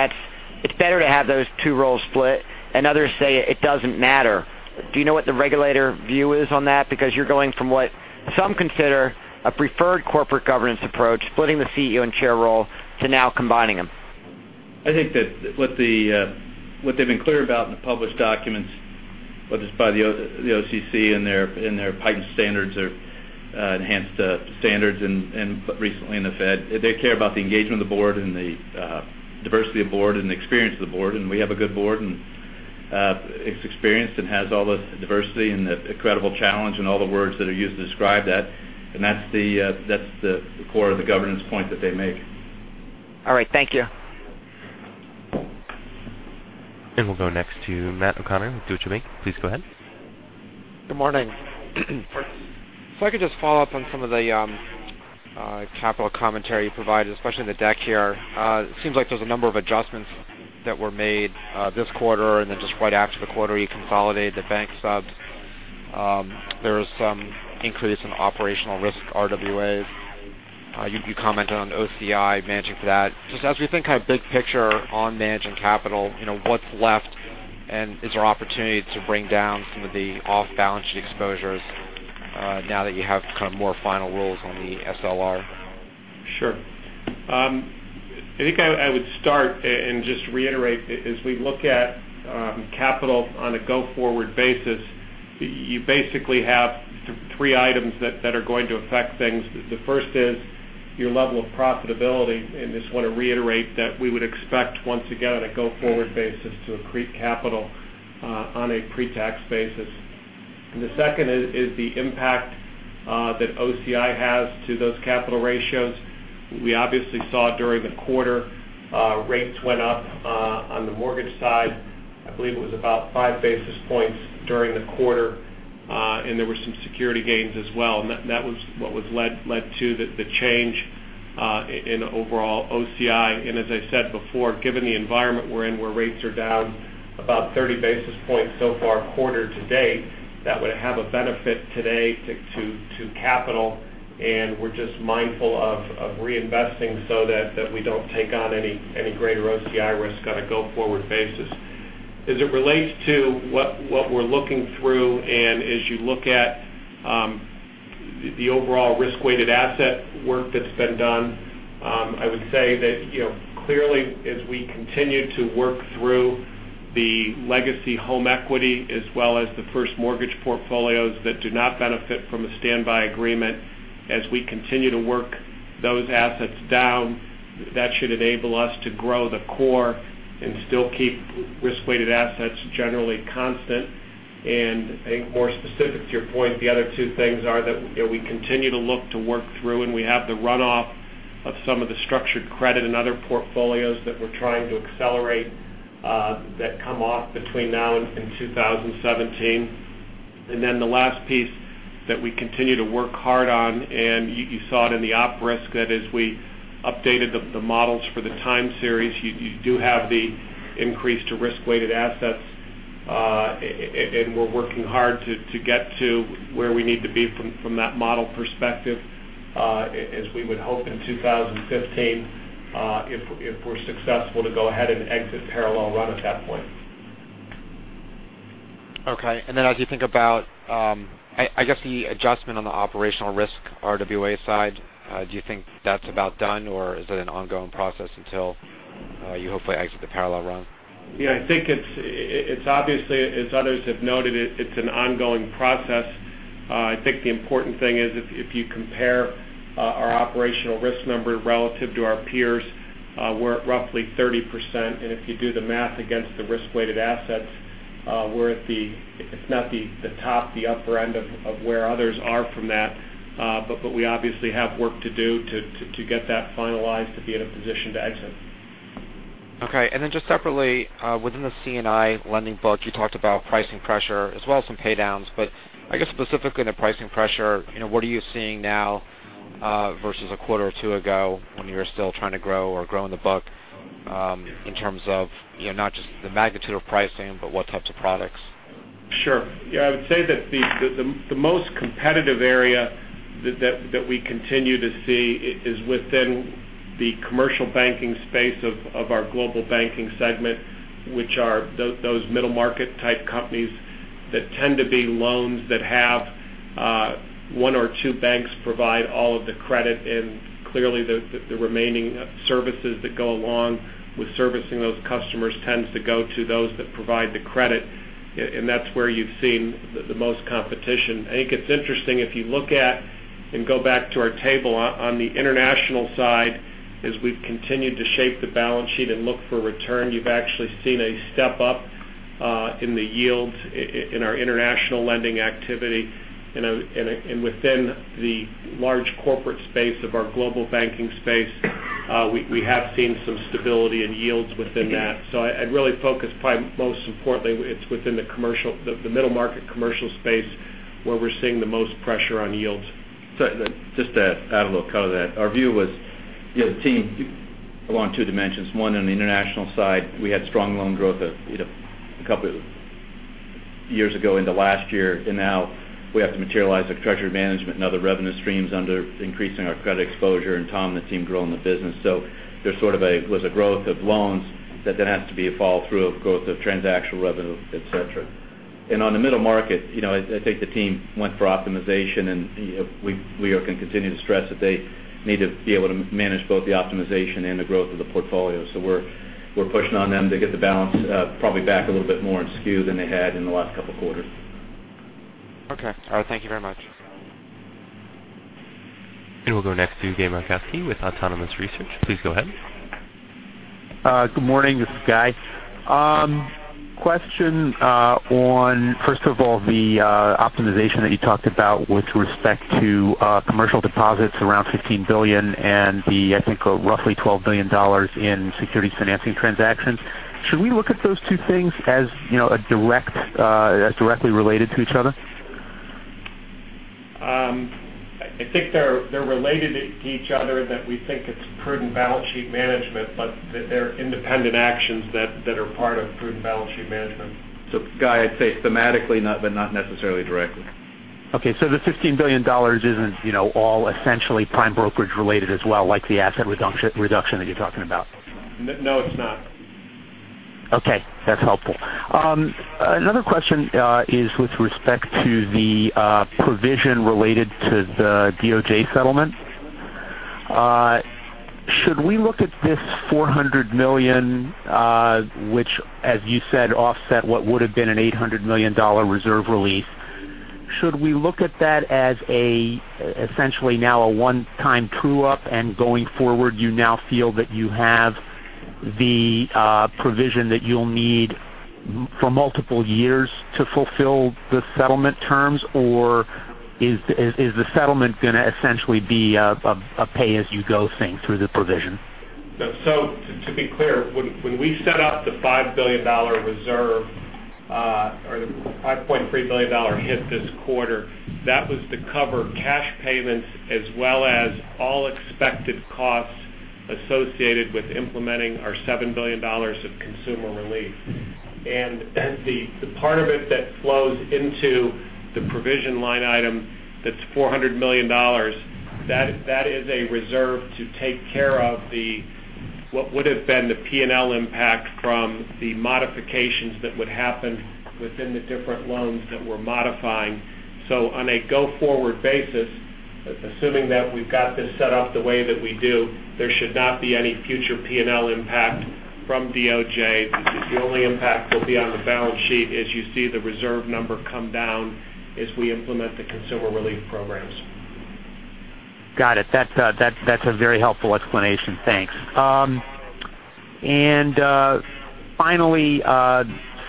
It's better to have those two roles split, and others say it doesn't matter. Do you know what the regulator view is on that? Because you're going from what some consider a preferred corporate governance approach, splitting the CEO and chair role, to now combining them. I think that what they've been clear about in the published documents, whether it's by the OCC in their heightened standards or enhanced standards and recently in the Fed, they care about the engagement of the board and the diversity of board and the experience of the board. We have a good board, and it's experienced and has all the diversity and the incredible challenge and all the words that are used to describe that. That's the core of the governance point that they make. All right. Thank you. We'll go next to Matt O'Connor with Deutsche Bank. Please go ahead. Good morning. If I could just follow up on some of the capital commentary you provided, especially in the deck here. It seems like there's a number of adjustments that were made this quarter, then just right after the quarter, you consolidated the bank subs. There was some increase in operational risk RWAs. You commented on OCI managing for that. Just as we think kind of big picture on managing capital what's left, and is there opportunity to bring down some of the off-balance sheet exposures, now that you have kind of more final rules on the SLR? Sure. I think I would start and just reiterate, as we look at capital on a go-forward basis, you basically have three items that are going to affect things. The first is your level of profitability, and just want to reiterate that we would expect, once again, on a go-forward basis, to accrete capital on a pretax basis. The second is the impact that OCI has to those capital ratios. We obviously saw during the quarter rates went up on the mortgage side. I believe it was about five basis points during the quarter. There were some security gains as well. That was what led to the change in overall OCI. As I said before, given the environment we're in, where rates are down about 30 basis points so far quarter to date, that would have a benefit today to capital. We're just mindful of reinvesting so that we don't take on any greater OCI risk on a go-forward basis. As it relates to what we're looking through and as you look at the overall risk-weighted asset work that's been done, I would say that clearly as we continue to work through the legacy home equity as well as the first mortgage portfolios that do not benefit from a standby agreement, as we continue to work those assets down, that should enable us to grow the core and still keep risk-weighted assets generally constant. I think more specific to your point, the other two things are that we continue to look to work through, and we have the runoff of some of the structured credit and other portfolios that we're trying to accelerate that come off between now and 2017. Then the last piece that we continue to work hard on, and you saw it in the op risk, that as we updated the models for the time series, you do have the increase to risk-weighted assets. We're working hard to get to where we need to be from that model perspective, as we would hope in 2015, if we're successful to go ahead and exit parallel run at that point. Okay. Then as you think about the adjustment on the operational risk RWA side, do you think that's about done, or is it an ongoing process until you hopefully exit the parallel run? Yeah, I think it's obviously, as others have noted, it's an ongoing process. I think the important thing is if you compare our operational risk number relative to our peers, we're at roughly 30%. If you do the math against the risk-weighted assets, it's not the top, the upper end of where others are from that. We obviously have work to do to get that finalized to be in a position to exit. Okay. Then just separately, within the C&I lending book, you talked about pricing pressure as well as some paydowns. I guess specifically on the pricing pressure, what are you seeing now versus a quarter or two ago when you were still trying to grow or grow in the book in terms of not just the magnitude of pricing, but what types of products? Sure. Yeah, I would say that the most competitive area that we continue to see is within the commercial banking space of our global banking segment, which are those middle-market type companies that tend to be loans that have one or two banks provide all of the credit. Clearly the remaining services that go along with servicing those customers tends to go to those that provide the credit. That's where you've seen the most competition. I think it's interesting if you look at and go back to our table on the international side, as we've continued to shape the balance sheet and look for return, you've actually seen a step up in the yield in our international lending activity. Within the large corporate space of our global banking space, we have seen some stability in yields within that. I'd really focus probably most importantly, it's within the middle-market commercial space where we're seeing the most pressure on yields. Just to add a little color to that. Our view was the team along two dimensions. One on the international side, we had strong loan growth a couple years ago into last year, and now we have to materialize the treasury management and other revenue streams under increasing our credit exposure and Tom and the team growing the business. There sort of was a growth of loans that there has to be a fall through of growth of transactional revenue, et cetera. On the middle-market, I think the team went for optimization, and we can continue to stress that they need to be able to manage both the optimization and the growth of the portfolio. We're pushing on them to get the balance probably back a little bit more in skew than they had in the last couple of quarters. Okay. All right. Thank you very much. We'll go next to Guy Moszkowski with Autonomous Research. Please go ahead. Good morning. This is Guy. Question on, first of all, the optimization that you talked about with respect to commercial deposits around $15 billion and the, I think, roughly $12 billion in securities financing transactions. Should we look at those two things as directly related to each other? I think they're related to each other, that we think it's prudent balance sheet management, they're independent actions that are part of prudent balance sheet management. Guy, I'd say thematically, not necessarily directly. Okay. The $15 billion isn't all essentially prime brokerage related as well, like the asset reduction that you're talking about. No, it's not. Okay. That's helpful. Another question is with respect to the provision related to the DOJ settlement. Should we look at this $400 million, which, as you said, offset what would have been an $800 million reserve release? Should we look at that as essentially now a one-time true-up, going forward, you now feel that you have the provision that you'll need for multiple years to fulfill the settlement terms? Is the settlement going to essentially be a pay-as-you-go thing through the provision? To be clear, when we set up the $5 billion reserve or the $5.3 billion hit this quarter, that was to cover cash payments as well as all expected costs associated with implementing our $7 billion of consumer relief. The part of it that flows into the provision line item, that's $400 million. That is a reserve to take care of what would've been the P&L impact from the modifications that would happen within the different loans that we're modifying. On a go-forward basis, assuming that we've got this set up the way that we do, there should not be any future P&L impact from DOJ. The only impact will be on the balance sheet, as you see the reserve number come down as we implement the consumer relief programs. Got it. That's a very helpful explanation. Thanks. Finally,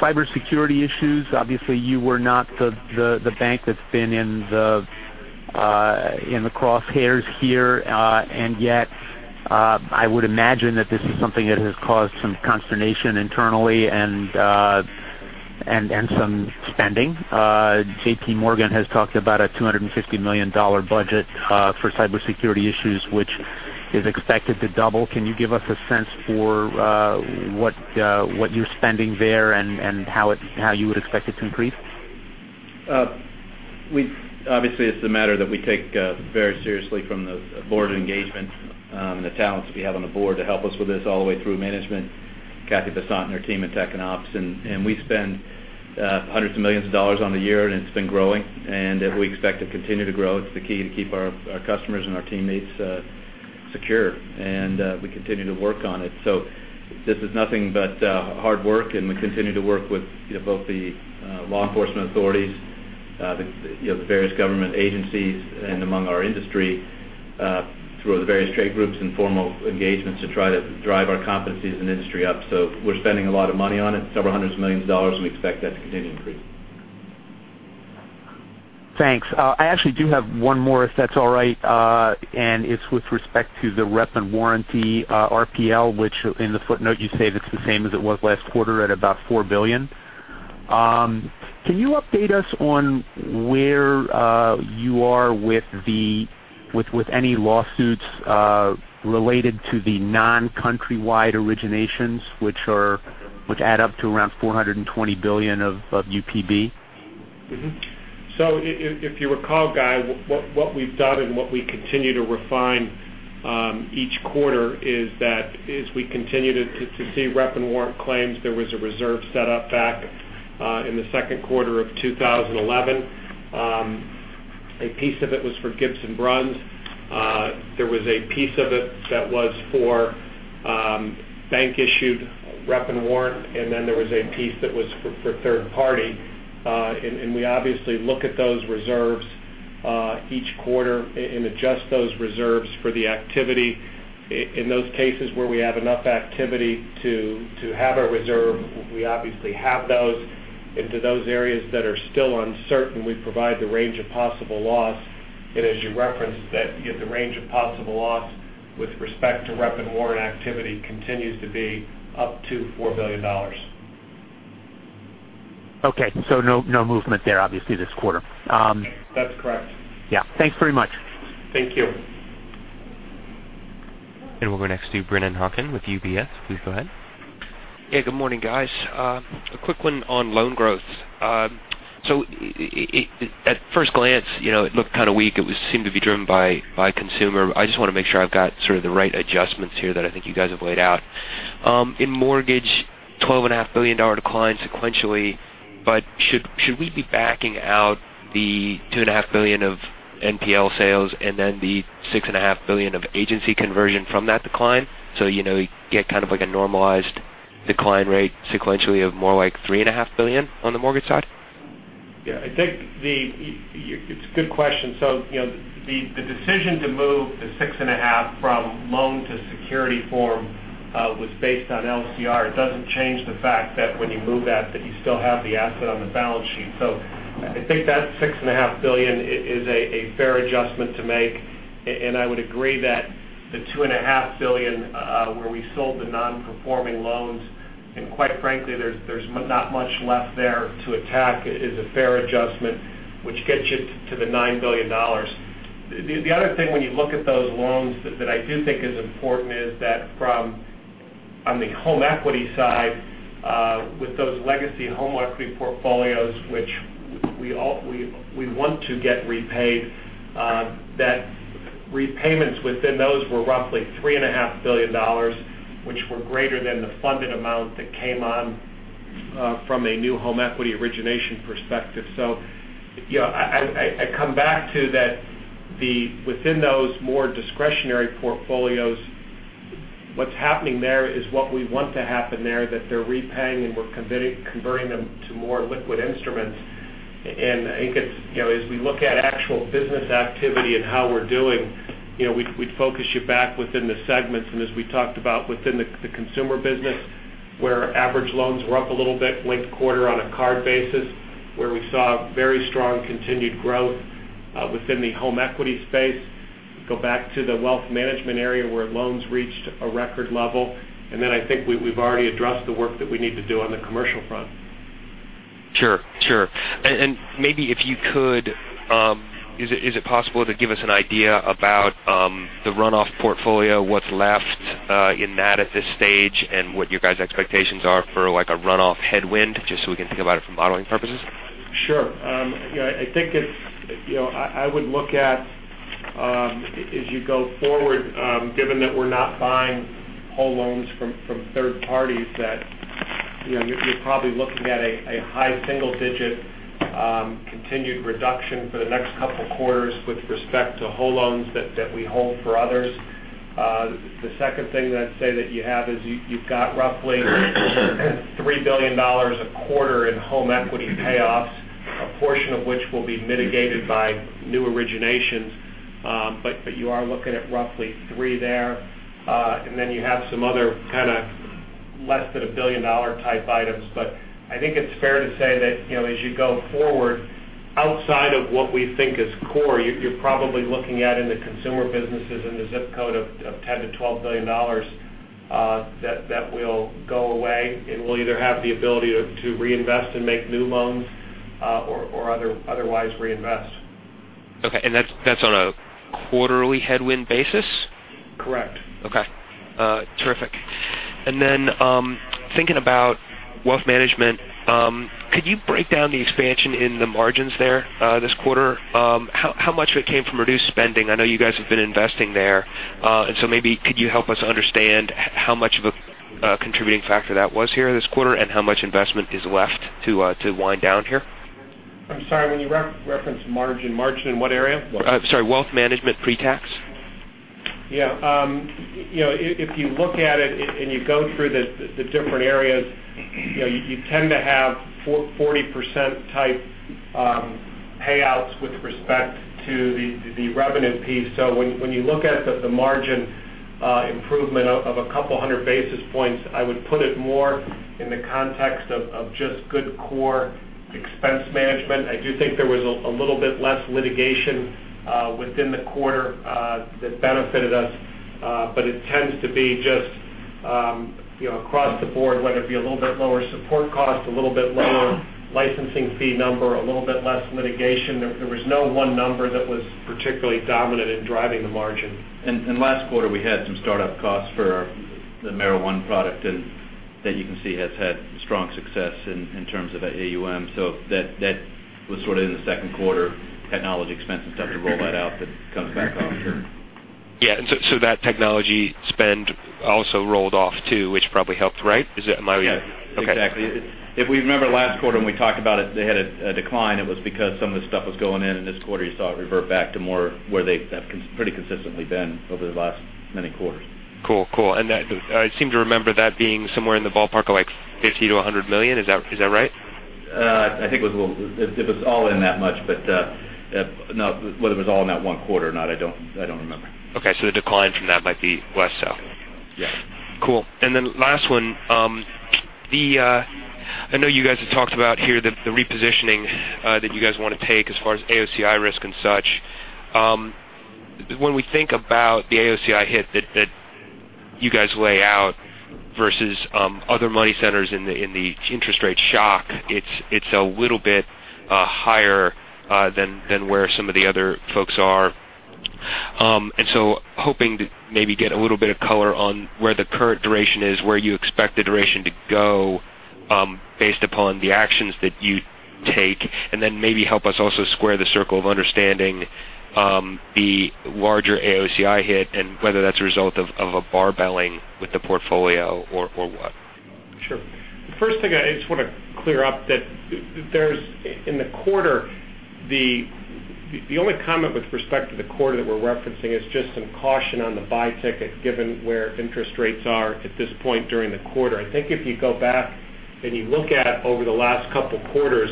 cybersecurity issues. Obviously, you were not the bank that's been in the crosshairs here. Yet, I would imagine that this is something that has caused some consternation internally and some spending. JP Morgan has talked about a $250 million budget for cybersecurity issues, which is expected to double. Can you give us a sense for what you're spending there and how you would expect it to increase? Obviously, it's a matter that we take very seriously from the board engagement and the talents we have on the board to help us with this all the way through management, Cathy Bessant and her team at Tech Ops. We spend hundreds of millions of dollars on the year, and it's been growing, and we expect to continue to grow. It's the key to keep our customers and our teammates secure, and we continue to work on it. This is nothing but hard work, and we continue to work with both the law enforcement authorities, the various government agencies, and among our industry through the various trade groups and formal engagements to try to drive our competencies and industry up. We're spending a lot of money on it, several hundreds of millions of dollars, and we expect that to continue to increase. Thanks. I actually do have one more, if that's all right. It's with respect to the rep and warrant RPL, which in the footnote you say that it's the same as it was last quarter at about $4 billion. Can you update us on where you are with any lawsuits related to the non-Countrywide originations, which add up to around $420 billion of UPB? If you recall, Guy, what we've done and what we continue to refine each quarter is that as we continue to see rep and warrant claims, there was a reserve set up back in the second quarter of 2011. A piece of it was for Gibbs & Bruns. There was a piece of it that was for bank-issued rep and warrant, and then there was a piece that was for third party. We obviously look at those reserves each quarter and adjust those reserves for the activity. In those cases where we have enough activity to have a reserve, we obviously have those. Into those areas that are still uncertain, we provide the range of possible loss. As you referenced, the range of possible loss with respect to rep and warrant activity continues to be up to $4 billion. Okay. No movement there, obviously, this quarter. That's correct. Yeah. Thanks very much. Thank you. We'll go next to Brennan Hawken with UBS. Please go ahead. Good morning, guys. A quick one on loan growth. At first glance, it looked kind of weak. It seemed to be driven by consumer. I just want to make sure I've got sort of the right adjustments here that I think you guys have laid out. In mortgage, $12.5 billion decline sequentially, but should we be backing out the $2.5 billion of NPL sales and then the $6.5 billion of agency conversion from that decline? You get kind of like a normalized decline rate sequentially of more like $3.5 billion on the mortgage side? I think it's a good question. The decision to move the 6.5 from loan to security form was based on LCR. It doesn't change the fact that when you move that, you still have the asset on the balance sheet. I think that $6.5 billion is a fair adjustment to make. I would agree that the $2.5 billion where we sold the non-performing loans, and quite frankly, there's not much left there to attack, is a fair adjustment, which gets you to the $9 billion. The other thing when you look at those loans that I do think is important is that from on the home equity side with those legacy home equity portfolios, which we want to get repaid, that repayments within those were roughly $3.5 billion, which were greater than the funded amount that came on from a new home equity origination perspective. I come back to that within those more discretionary portfolios, what's happening there is what we want to happen there, that they're repaying, and we're converting them to more liquid instruments. I think as we look at actual business activity and how we're doing, we'd focus you back within the segments. As we talked about within the consumer business, where average loans were up a little bit linked quarter on a card basis, where we saw very strong continued growth within the home equity space. Go back to the Wealth Management area where loans reached a record level. I think we've already addressed the work that we need to do on the commercial front. Sure. Maybe if you could, is it possible to give us an idea about the runoff portfolio, what's left in that at this stage, and what your guys' expectations are for a runoff headwind, just so we can think about it for modeling purposes? Sure. I think I would look at as you go forward, given that we're not buying whole loans from third parties, that you're probably looking at a high single-digit continued reduction for the next couple of quarters with respect to whole loans that we hold for others. The second thing that I'd say that you have is you've got roughly $3 billion a quarter in home equity payoffs, a portion of which will be mitigated by new originations. You are looking at roughly three there. You have some other kind of less than a billion-dollar type items. I think it's fair to say that as you go forward outside of what we think is core, you're probably looking at in the consumer businesses in the zip code of $10 billion-$12 billion that will go away. We'll either have the ability to reinvest and make new loans or otherwise reinvest. Okay, that's on a quarterly headwind basis? Correct. Okay. Terrific. Thinking about wealth management, could you break down the expansion in the margins there this quarter? How much of it came from reduced spending? I know you guys have been investing there. Maybe could you help us understand how much of a contributing factor that was here this quarter, and how much investment is left to wind down here? I'm sorry. When you reference margin, in what area? Sorry, wealth management pre-tax. Yeah. If you look at it and you go through the different areas, you tend to have 40%-type payouts with respect to the revenue piece. When you look at the margin improvement of a couple of 100 basis points, I would put it more in the context of just good core expense management. I do think there was a little bit less litigation within the quarter that benefited us. It tends to be just across the board, whether it be a little bit lower support cost, a little bit lower licensing fee number, a little bit less litigation. There was no one number that was particularly dominant in driving the margin. Last quarter, we had some startup costs for the Merrill Lynch One product, and that you can see has had strong success in terms of AUM. That was sort of in the second quarter technology expense and stuff to roll that out, that comes back off here. Yeah. That technology spend also rolled off, too, which probably helped, right? Yes. Okay. Exactly. If we remember last quarter when we talked about it, they had a decline. It was because some of the stuff was going in, and this quarter you saw it revert back to more where they have pretty consistently been over the last many quarters. Cool. I seem to remember that being somewhere in the ballpark of $50 million-$100 million. Is that right? I think it was all in that much. Whether it was all in that one quarter or not, I don't remember. Okay. The decline from that might be less so. Yes. Cool. Last one. I know you guys have talked about here the repositioning that you guys want to take as far as AOCI risk and such. When we think about the AOCI hit that you guys lay out versus other money centers in the interest rate shock, it's a little bit higher than where some of the other folks are. Hoping to maybe get a little bit of color on where the current duration is, where you expect the duration to go based upon the actions that you take, and then maybe help us also square the circle of understanding the larger AOCI hit and whether that's a result of a barbelling with the portfolio or what. Sure. The first thing I just want to clear up that there's, in the quarter, the only comment with respect to the quarter that we're referencing is just some caution on the buy ticket, given where interest rates are at this point during the quarter. I think if you go back and you look at over the last couple quarters,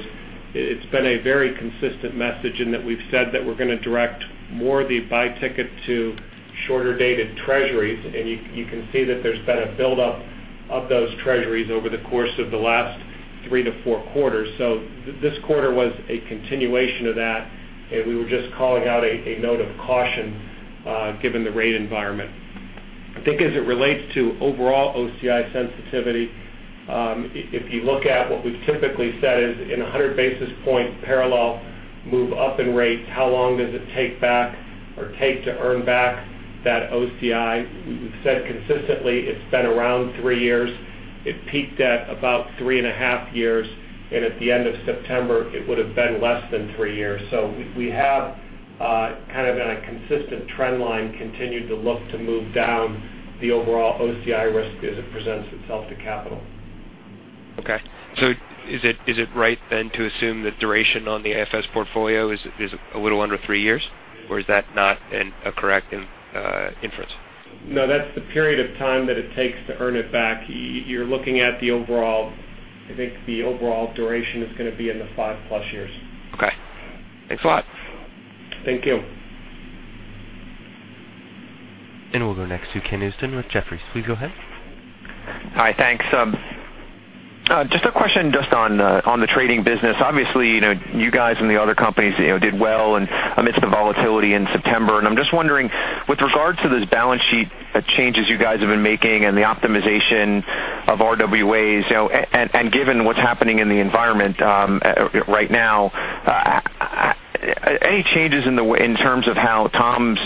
it's been a very consistent message in that we've said that we're going to direct more of the buy ticket to shorter dated treasuries, and you can see that there's been a buildup of those treasuries over the course of the last three to four quarters. This quarter was a continuation of that, and we were just calling out a note of caution given the rate environment. I think as it relates to overall OCI sensitivity, if you look at what we've typically said is in 100 basis points parallel move up in rates, how long does it take back or take to earn back that OCI? We've said consistently it's been around three years. It peaked at about three and a half years, and at the end of September, it would've been less than three years. We have kind of on a consistent trend line, continued to look to move down the overall OCI risk as it presents itself to capital. Okay. Is it right then to assume that duration on the AFS portfolio is a little under three years? Or is that not a correct inference? No, that's the period of time that it takes to earn it back. You're looking at the overall, I think the overall duration is going to be in the 5+ years. Okay. Thanks a lot. Thank you. We'll go next to Ken Usdin with Jefferies. Please go ahead. Hi, thanks. Just a question just on the trading business. Obviously, you guys and the other companies did well amidst the volatility in September. I'm just wondering, with regard to those balance sheet changes you guys have been making and the optimization of RWAs, and given what's happening in the environment right now, any changes in terms of how Tom's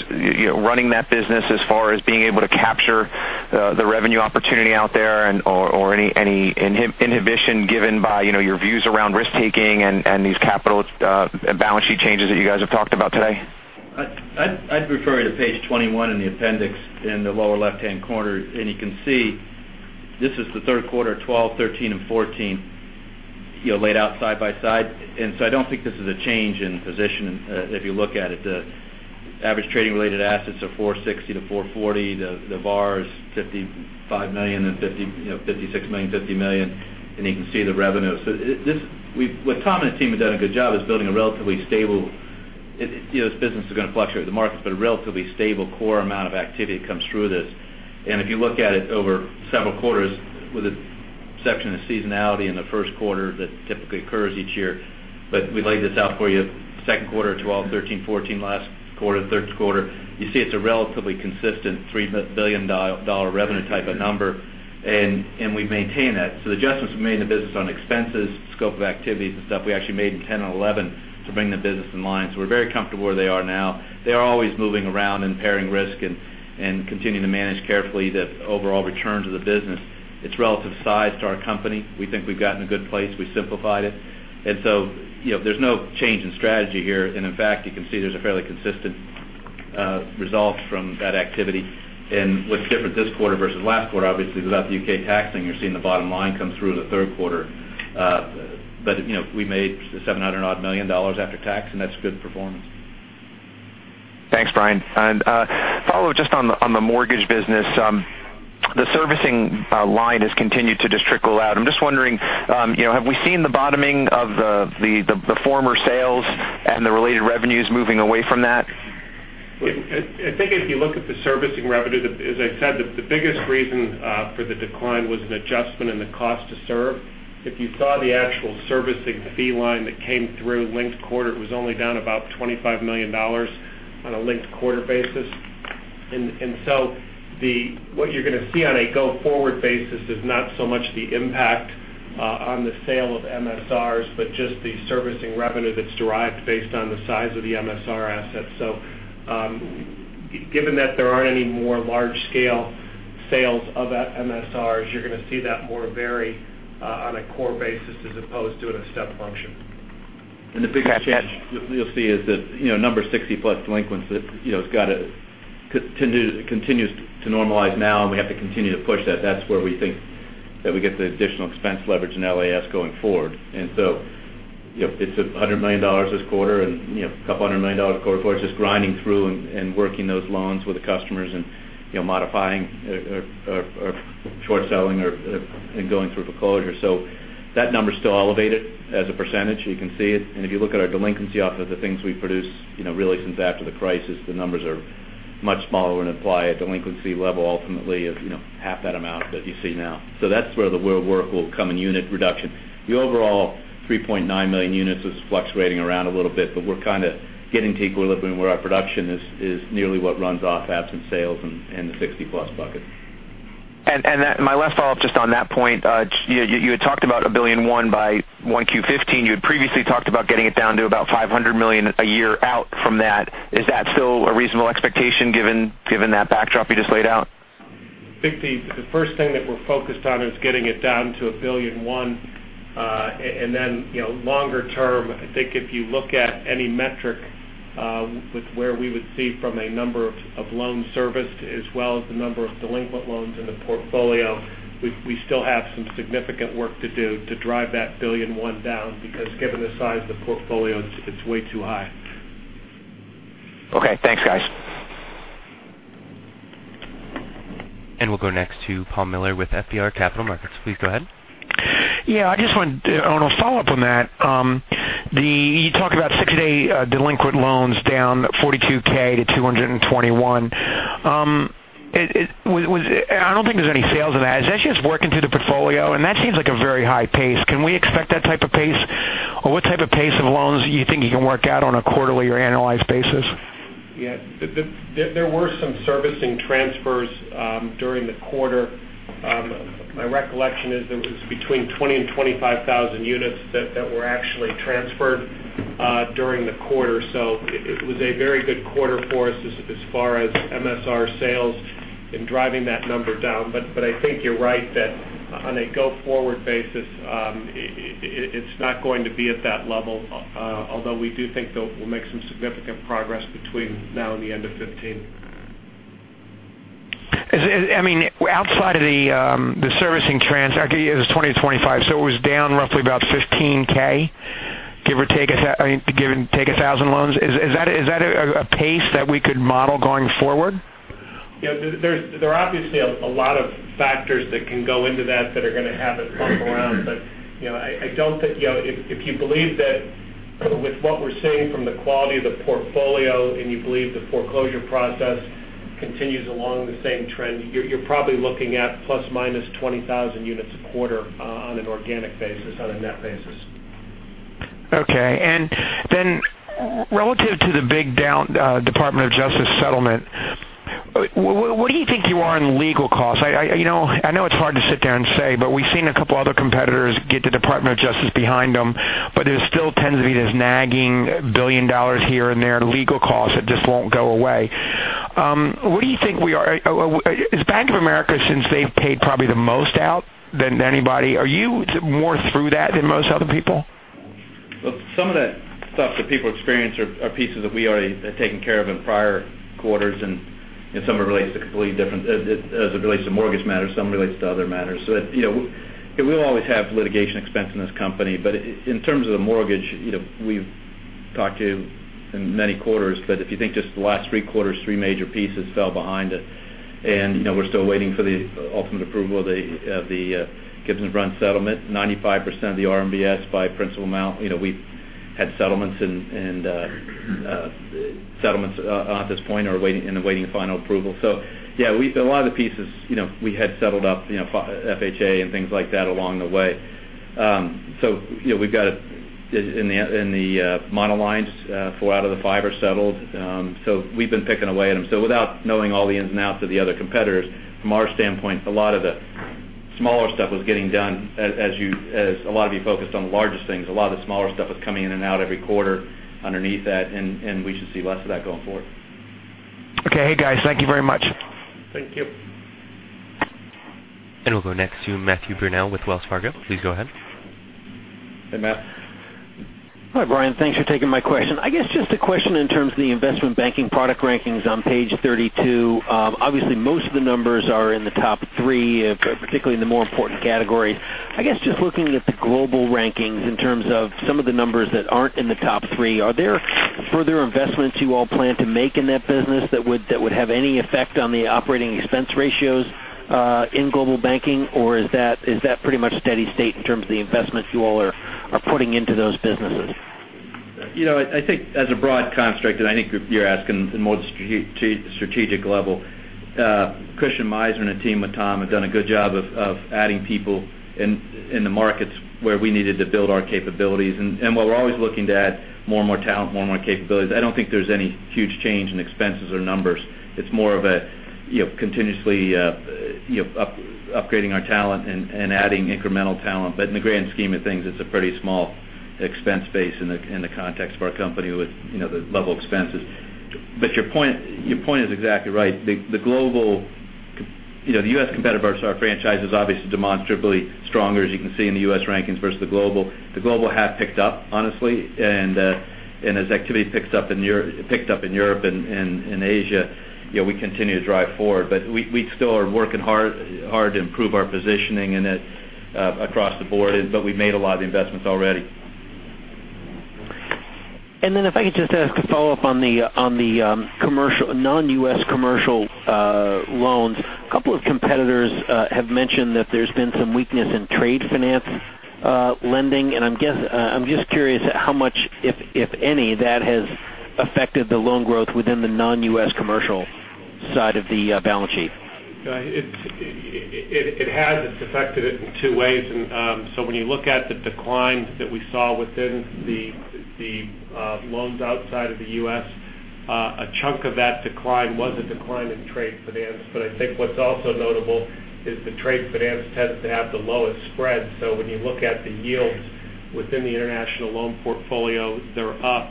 running that business as far as being able to capture the revenue opportunity out there or any inhibition given by your views around risk taking and these capital balance sheet changes that you guys have talked about today? I'd refer you to page 21 in the appendix in the lower left-hand corner. You can see this is the third quarter, 2012, 2013, and 2014 laid out side by side. I don't think this is a change in position if you look at it. The average trading related assets are $460-$440. The VaR is $55 million and $56 million, $50 million, and you can see the revenue. What Tom and his team have done a good job is building a relatively stable, this business is going to fluctuate with the markets, but a relatively stable core amount of activity comes through this. If you look at it over several quarters with the exception of seasonality in the first quarter that typically occurs each year. We laid this out for you second quarter 2012, 2013, 2014, last quarter, third quarter. You see it's a relatively consistent $3 billion revenue type of number, and we maintain that. The adjustments we made in the business on expenses, scope of activities and stuff we actually made in 2010 and 2011 to bring the business in line. We're very comfortable where they are now. They are always moving around and pairing risk and continuing to manage carefully the overall returns of the business. Its relative size to our company. We think we've gotten a good place. We simplified it. There's no change in strategy here. In fact, you can see there's a fairly consistent result from that activity. What's different this quarter versus last quarter, obviously without the U.K. tax thing, you're seeing the bottom line come through in the third quarter. We made $700 odd million after tax, and that's good performance. Thanks, Brian. Follow just on the mortgage business. The servicing line has continued to just trickle out. I'm just wondering, have we seen the bottoming of the former sales and the related revenues moving away from that? I think if you look at the servicing revenue, as I said, the biggest reason for the decline was an adjustment in the cost to serve. If you saw the actual servicing fee line that came through linked quarter, it was only down about $25 million on a linked quarter basis. What you're going to see on a go forward basis is not so much the impact on the sale of MSRs, but just the servicing revenue that's derived based on the size of the MSR assets. Given that there aren't any more large scale sales of MSRs, you're going to see that more vary on a core basis as opposed to in a step function. The biggest change you'll see is that number 60 plus delinquents, it continues to normalize now, and we have to continue to push that. That's where we think that we get the additional expense leverage in LAS going forward. It's $100 million this quarter and $200 million quarter forward. It's just grinding through and working those loans with the customers and modifying or short selling or going through foreclosure. That number's still elevated as a percentage. You can see it. If you look at our delinquency off of the things we produce really since after the crisis, the numbers are much smaller and imply a delinquency level ultimately of half that amount that you see now. That's where the real work will come in unit reduction. The overall 3.9 million units is fluctuating around a little bit, but we're kind of getting to equilibrium where our production is nearly what runs off absent sales in the 60 plus bucket. My last follow-up just on that point, you had talked about $1.1 billion by 1Q 2015. You had previously talked about getting it down to about $500 million a year out from that. Is that still a reasonable expectation given that backdrop you just laid out? I think the first thing that we're focused on is getting it down to $1.1 billion. Then longer term, I think if you look at any metric with where we would see from a number of loans serviced as well as the number of delinquent loans in the portfolio, we still have some significant work to do to drive that $1.1 billion down because given the size of the portfolio, it's way too high. Okay, thanks, guys. We'll go next to Paul Miller with FBR Capital Markets. Please go ahead. Yeah, I just want to follow up on that. You talk about 60-day delinquent loans down 42,000 to 221,000. I don't think there's any sales in that. Is that just working through the portfolio? That seems like a very high pace. Can we expect that type of pace? What type of pace of loans do you think you can work out on a quarterly or annualized basis? Yeah. There were some servicing transfers during the quarter. My recollection is it was between 20,000 and 25,000 units that were actually transferred during the quarter. It was a very good quarter for us as far as MSR sales in driving that number down. I think you're right that on a go-forward basis, it's not going to be at that level, although we do think we'll make some significant progress between now and the end of 2015. Outside of the servicing transaction, it was 20 to 25. It was down roughly about 15,000, give or take 1,000 loans. Is that a pace that we could model going forward? There are obviously a lot of factors that can go into that are going to have it bump around. If you believe that with what we're seeing from the quality of the portfolio and you believe the foreclosure process continues along the same trend, you're probably looking at ±20,000 units a quarter on an organic basis, on a net basis. Okay. Relative to the big Department of Justice settlement, where do you think you are in legal costs? I know it's hard to sit there and say, we've seen a couple other competitors get the Department of Justice behind them, there still tends to be this nagging $1 billion here and there legal costs that just won't go away. Where do you think we are? Is Bank of America, since they've paid probably the most out than anybody, are you more through that than most other people? Well, some of that stuff that people experience are pieces that we already had taken care of in prior quarters, and some are related to completely different, as it relates to mortgage matters, some relates to other matters. We'll always have litigation expense in this company. In terms of the mortgage, we've talked to in many quarters, but if you think just the last three quarters, three major pieces fell behind it. We're still waiting for the ultimate approval of the Gibbs & Bruns settlement. 95% of the RMBS by principal amount. We've had settlements, and settlements at this point are awaiting final approval. Yeah, a lot of the pieces we had settled up, FHA and things like that along the way. We've got in the mono lines, four out of the five are settled. We've been picking away at them. Without knowing all the ins and outs of the other competitors, from our standpoint, a lot of the smaller stuff was getting done as a lot of you focused on the largest things. A lot of the smaller stuff was coming in and out every quarter underneath that, we should see less of that going forward. Okay. Hey, guys, thank you very much. Thank you. We'll go next to Matthew Burnell with Wells Fargo. Please go ahead. Hey, Matt. Hi, Brian. Thanks for taking my question. I guess just a question in terms of the investment banking product rankings on page 32. Obviously, most of the numbers are in the top three, particularly in the more important categories. I guess just looking at the global rankings in terms of some of the numbers that aren't in the top three, are there further investments you all plan to make in that business that would have any effect on the operating expense ratios in global banking? Is that pretty much steady state in terms of the investments you all are putting into those businesses? I think as a broad construct, I think you're asking in more strategic level, Christian Meissner and a team with Tom have done a good job of adding people in the markets where we needed to build our capabilities. While we're always looking to add more and more talent, more and more capabilities, I don't think there's any huge change in expenses or numbers. It's more of a continuously upgrading our talent and adding incremental talent. In the grand scheme of things, it's a pretty small expense base in the context of our company with the level of expenses. Your point is exactly right. The U.S. competitive versus our franchise is obviously demonstrably stronger, as you can see in the U.S. rankings versus the global. The global half picked up honestly, as activity picked up in Europe and in Asia, we continue to drive forward. We still are working hard to improve our positioning in it across the board, but we've made a lot of the investments already. If I could just ask a follow-up on the non-U.S. commercial loans. A couple of competitors have mentioned that there's been some weakness in trade finance lending, and I'm just curious how much, if any, that has affected the loan growth within the non-U.S. commercial side of the balance sheet. It has. It's affected it in two ways. When you look at the declines that we saw within the loans outside of the U.S. A chunk of that decline was a decline in trade finance. I think what's also notable is that trade finance tends to have the lowest spread. When you look at the yields within the international loan portfolio, they're up,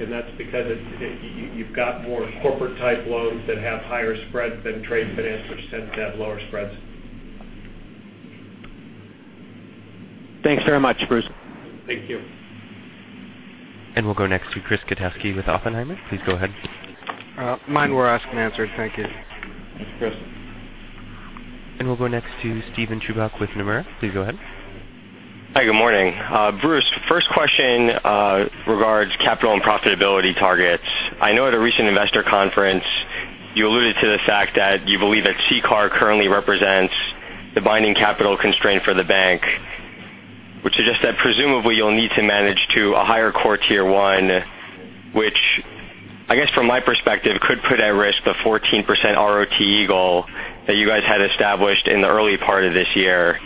and that's because you've got more corporate-type loans that have higher spreads than trade finance, which tends to have lower spreads. Thanks very much, Bruce. Thank you. We'll go next to Chris Kotowski with Oppenheimer. Please go ahead. Mine were asked and answered. Thank you. Thanks, Chris. We'll go next to Steven Chubak with Nomura. Please go ahead. Hi, good morning. Bruce, first question regards capital and profitability targets. I know at a recent investor conference, you alluded to the fact that you believe that CCAR currently represents the binding capital constraint for the bank. Which suggests that presumably you'll need to manage to a higher core Tier 1, which I guess from my perspective, could put at risk the 14% ROT goal that you guys had established in the early part of this year.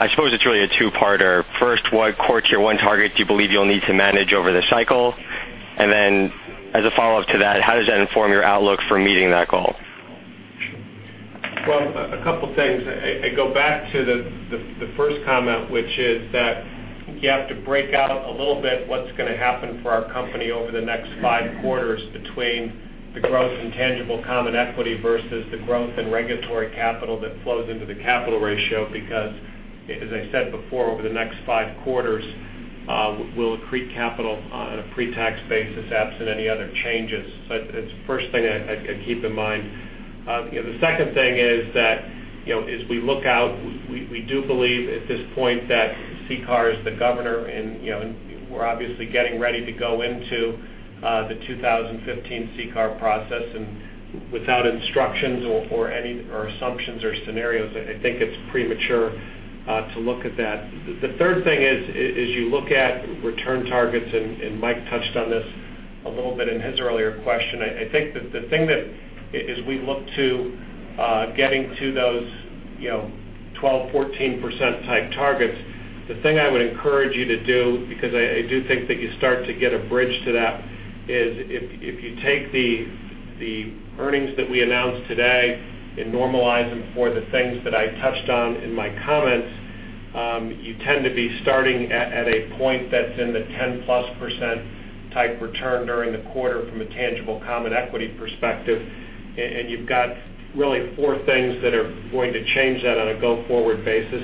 I suppose it's really a two-parter. First, what core Tier 1 target do you believe you'll need to manage over the cycle? Then as a follow-up to that, how does that inform your outlook for meeting that goal? Well, a couple things. I go back to the first comment, which is that you have to break out a little bit what's going to happen for our company over the next five quarters between the growth in tangible common equity versus the growth in regulatory capital that flows into the capital ratio. Because, as I said before, over the next five quarters we'll accrete capital on a pre-tax basis, absent any other changes. It's the first thing I'd keep in mind. The second thing is that as we look out, we do believe at this point that CCAR is the governor. We're obviously getting ready to go into the 2015 CCAR process. Without instructions or assumptions or scenarios, I think it's premature to look at that. The third thing is you look at return targets, Mike touched on this a little bit in his earlier question. I think as we look to getting to those 12%, 14% type targets, the thing I would encourage you to do, because I do think that you start to get a bridge to that, is if you take the earnings that we announced today and normalize them for the things that I touched on in my comments, you tend to be starting at a point that's in the 10-plus% type return during the quarter from a tangible common equity perspective. You've got really four things that are going to change that on a go-forward basis.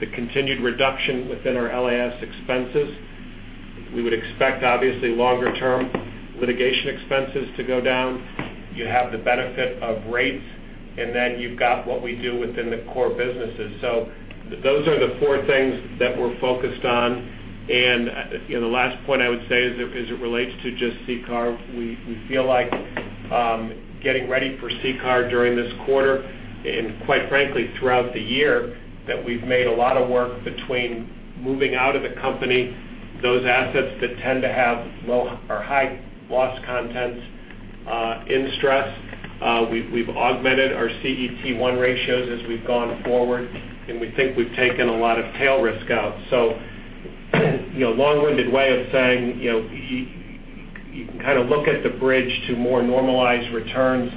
The continued reduction within our LAS expenses. We would expect, obviously, longer-term litigation expenses to go down. You have the benefit of rates. Then you've got what we do within the core businesses. Those are the four things that we're focused on. The last point I would say as it relates to just CCAR, we feel like getting ready for CCAR during this quarter, and quite frankly, throughout the year, that we've made a lot of work between moving out of the company those assets that tend to have high loss content in stress. We've augmented our CET1 ratios as we've gone forward, and we think we've taken a lot of tail risk out. Long-winded way of saying you can look at the bridge to more normalized returns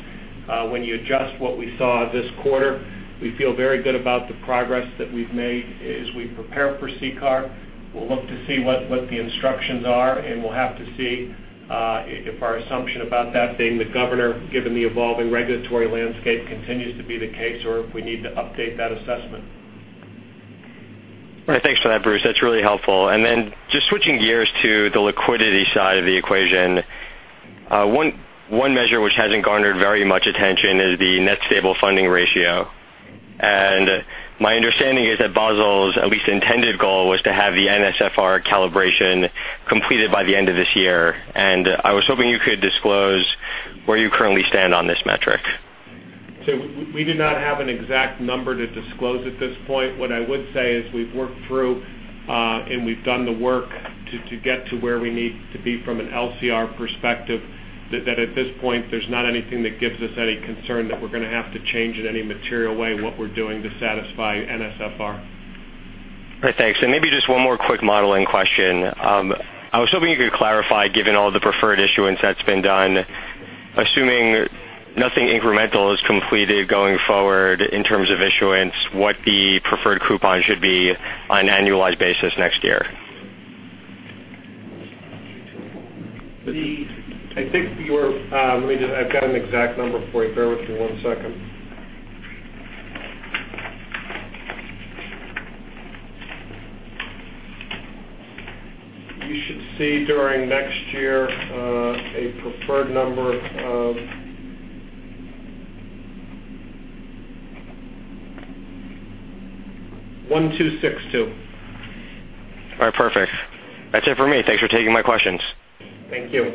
when you adjust what we saw this quarter. We feel very good about the progress that we've made as we prepare for CCAR. We'll look to see what the instructions are. We'll have to see if our assumption about that being the governor, given the evolving regulatory landscape, continues to be the case, or if we need to update that assessment. All right. Thanks for that, Bruce. That's really helpful. Then just switching gears to the liquidity side of the equation. One measure which hasn't garnered very much attention is the net stable funding ratio. My understanding is that Basel's at least intended goal was to have the NSFR calibration completed by the end of this year. I was hoping you could disclose where you currently stand on this metric. We do not have an exact number to disclose at this point. What I would say is we've worked through and we've done the work to get to where we need to be from an LCR perspective. That at this point, there's not anything that gives us any concern that we're going to have to change in any material way what we're doing to satisfy NSFR. Right. Thanks. Maybe just one more quick modeling question. I was hoping you could clarify, given all the preferred issuance that's been done. Assuming nothing incremental is completed going forward in terms of issuance, what the preferred coupon should be on an annualized basis next year? I've got an exact number for you. Bear with me one second. You should see during next year a preferred number of $1,262. All right. Perfect. That's it for me. Thanks for taking my questions. Thank you.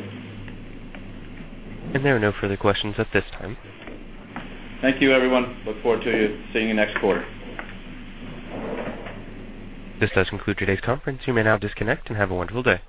There are no further questions at this time. Thank you, everyone. Look forward to seeing you next quarter. This does conclude today's conference. You may now disconnect and have a wonderful day.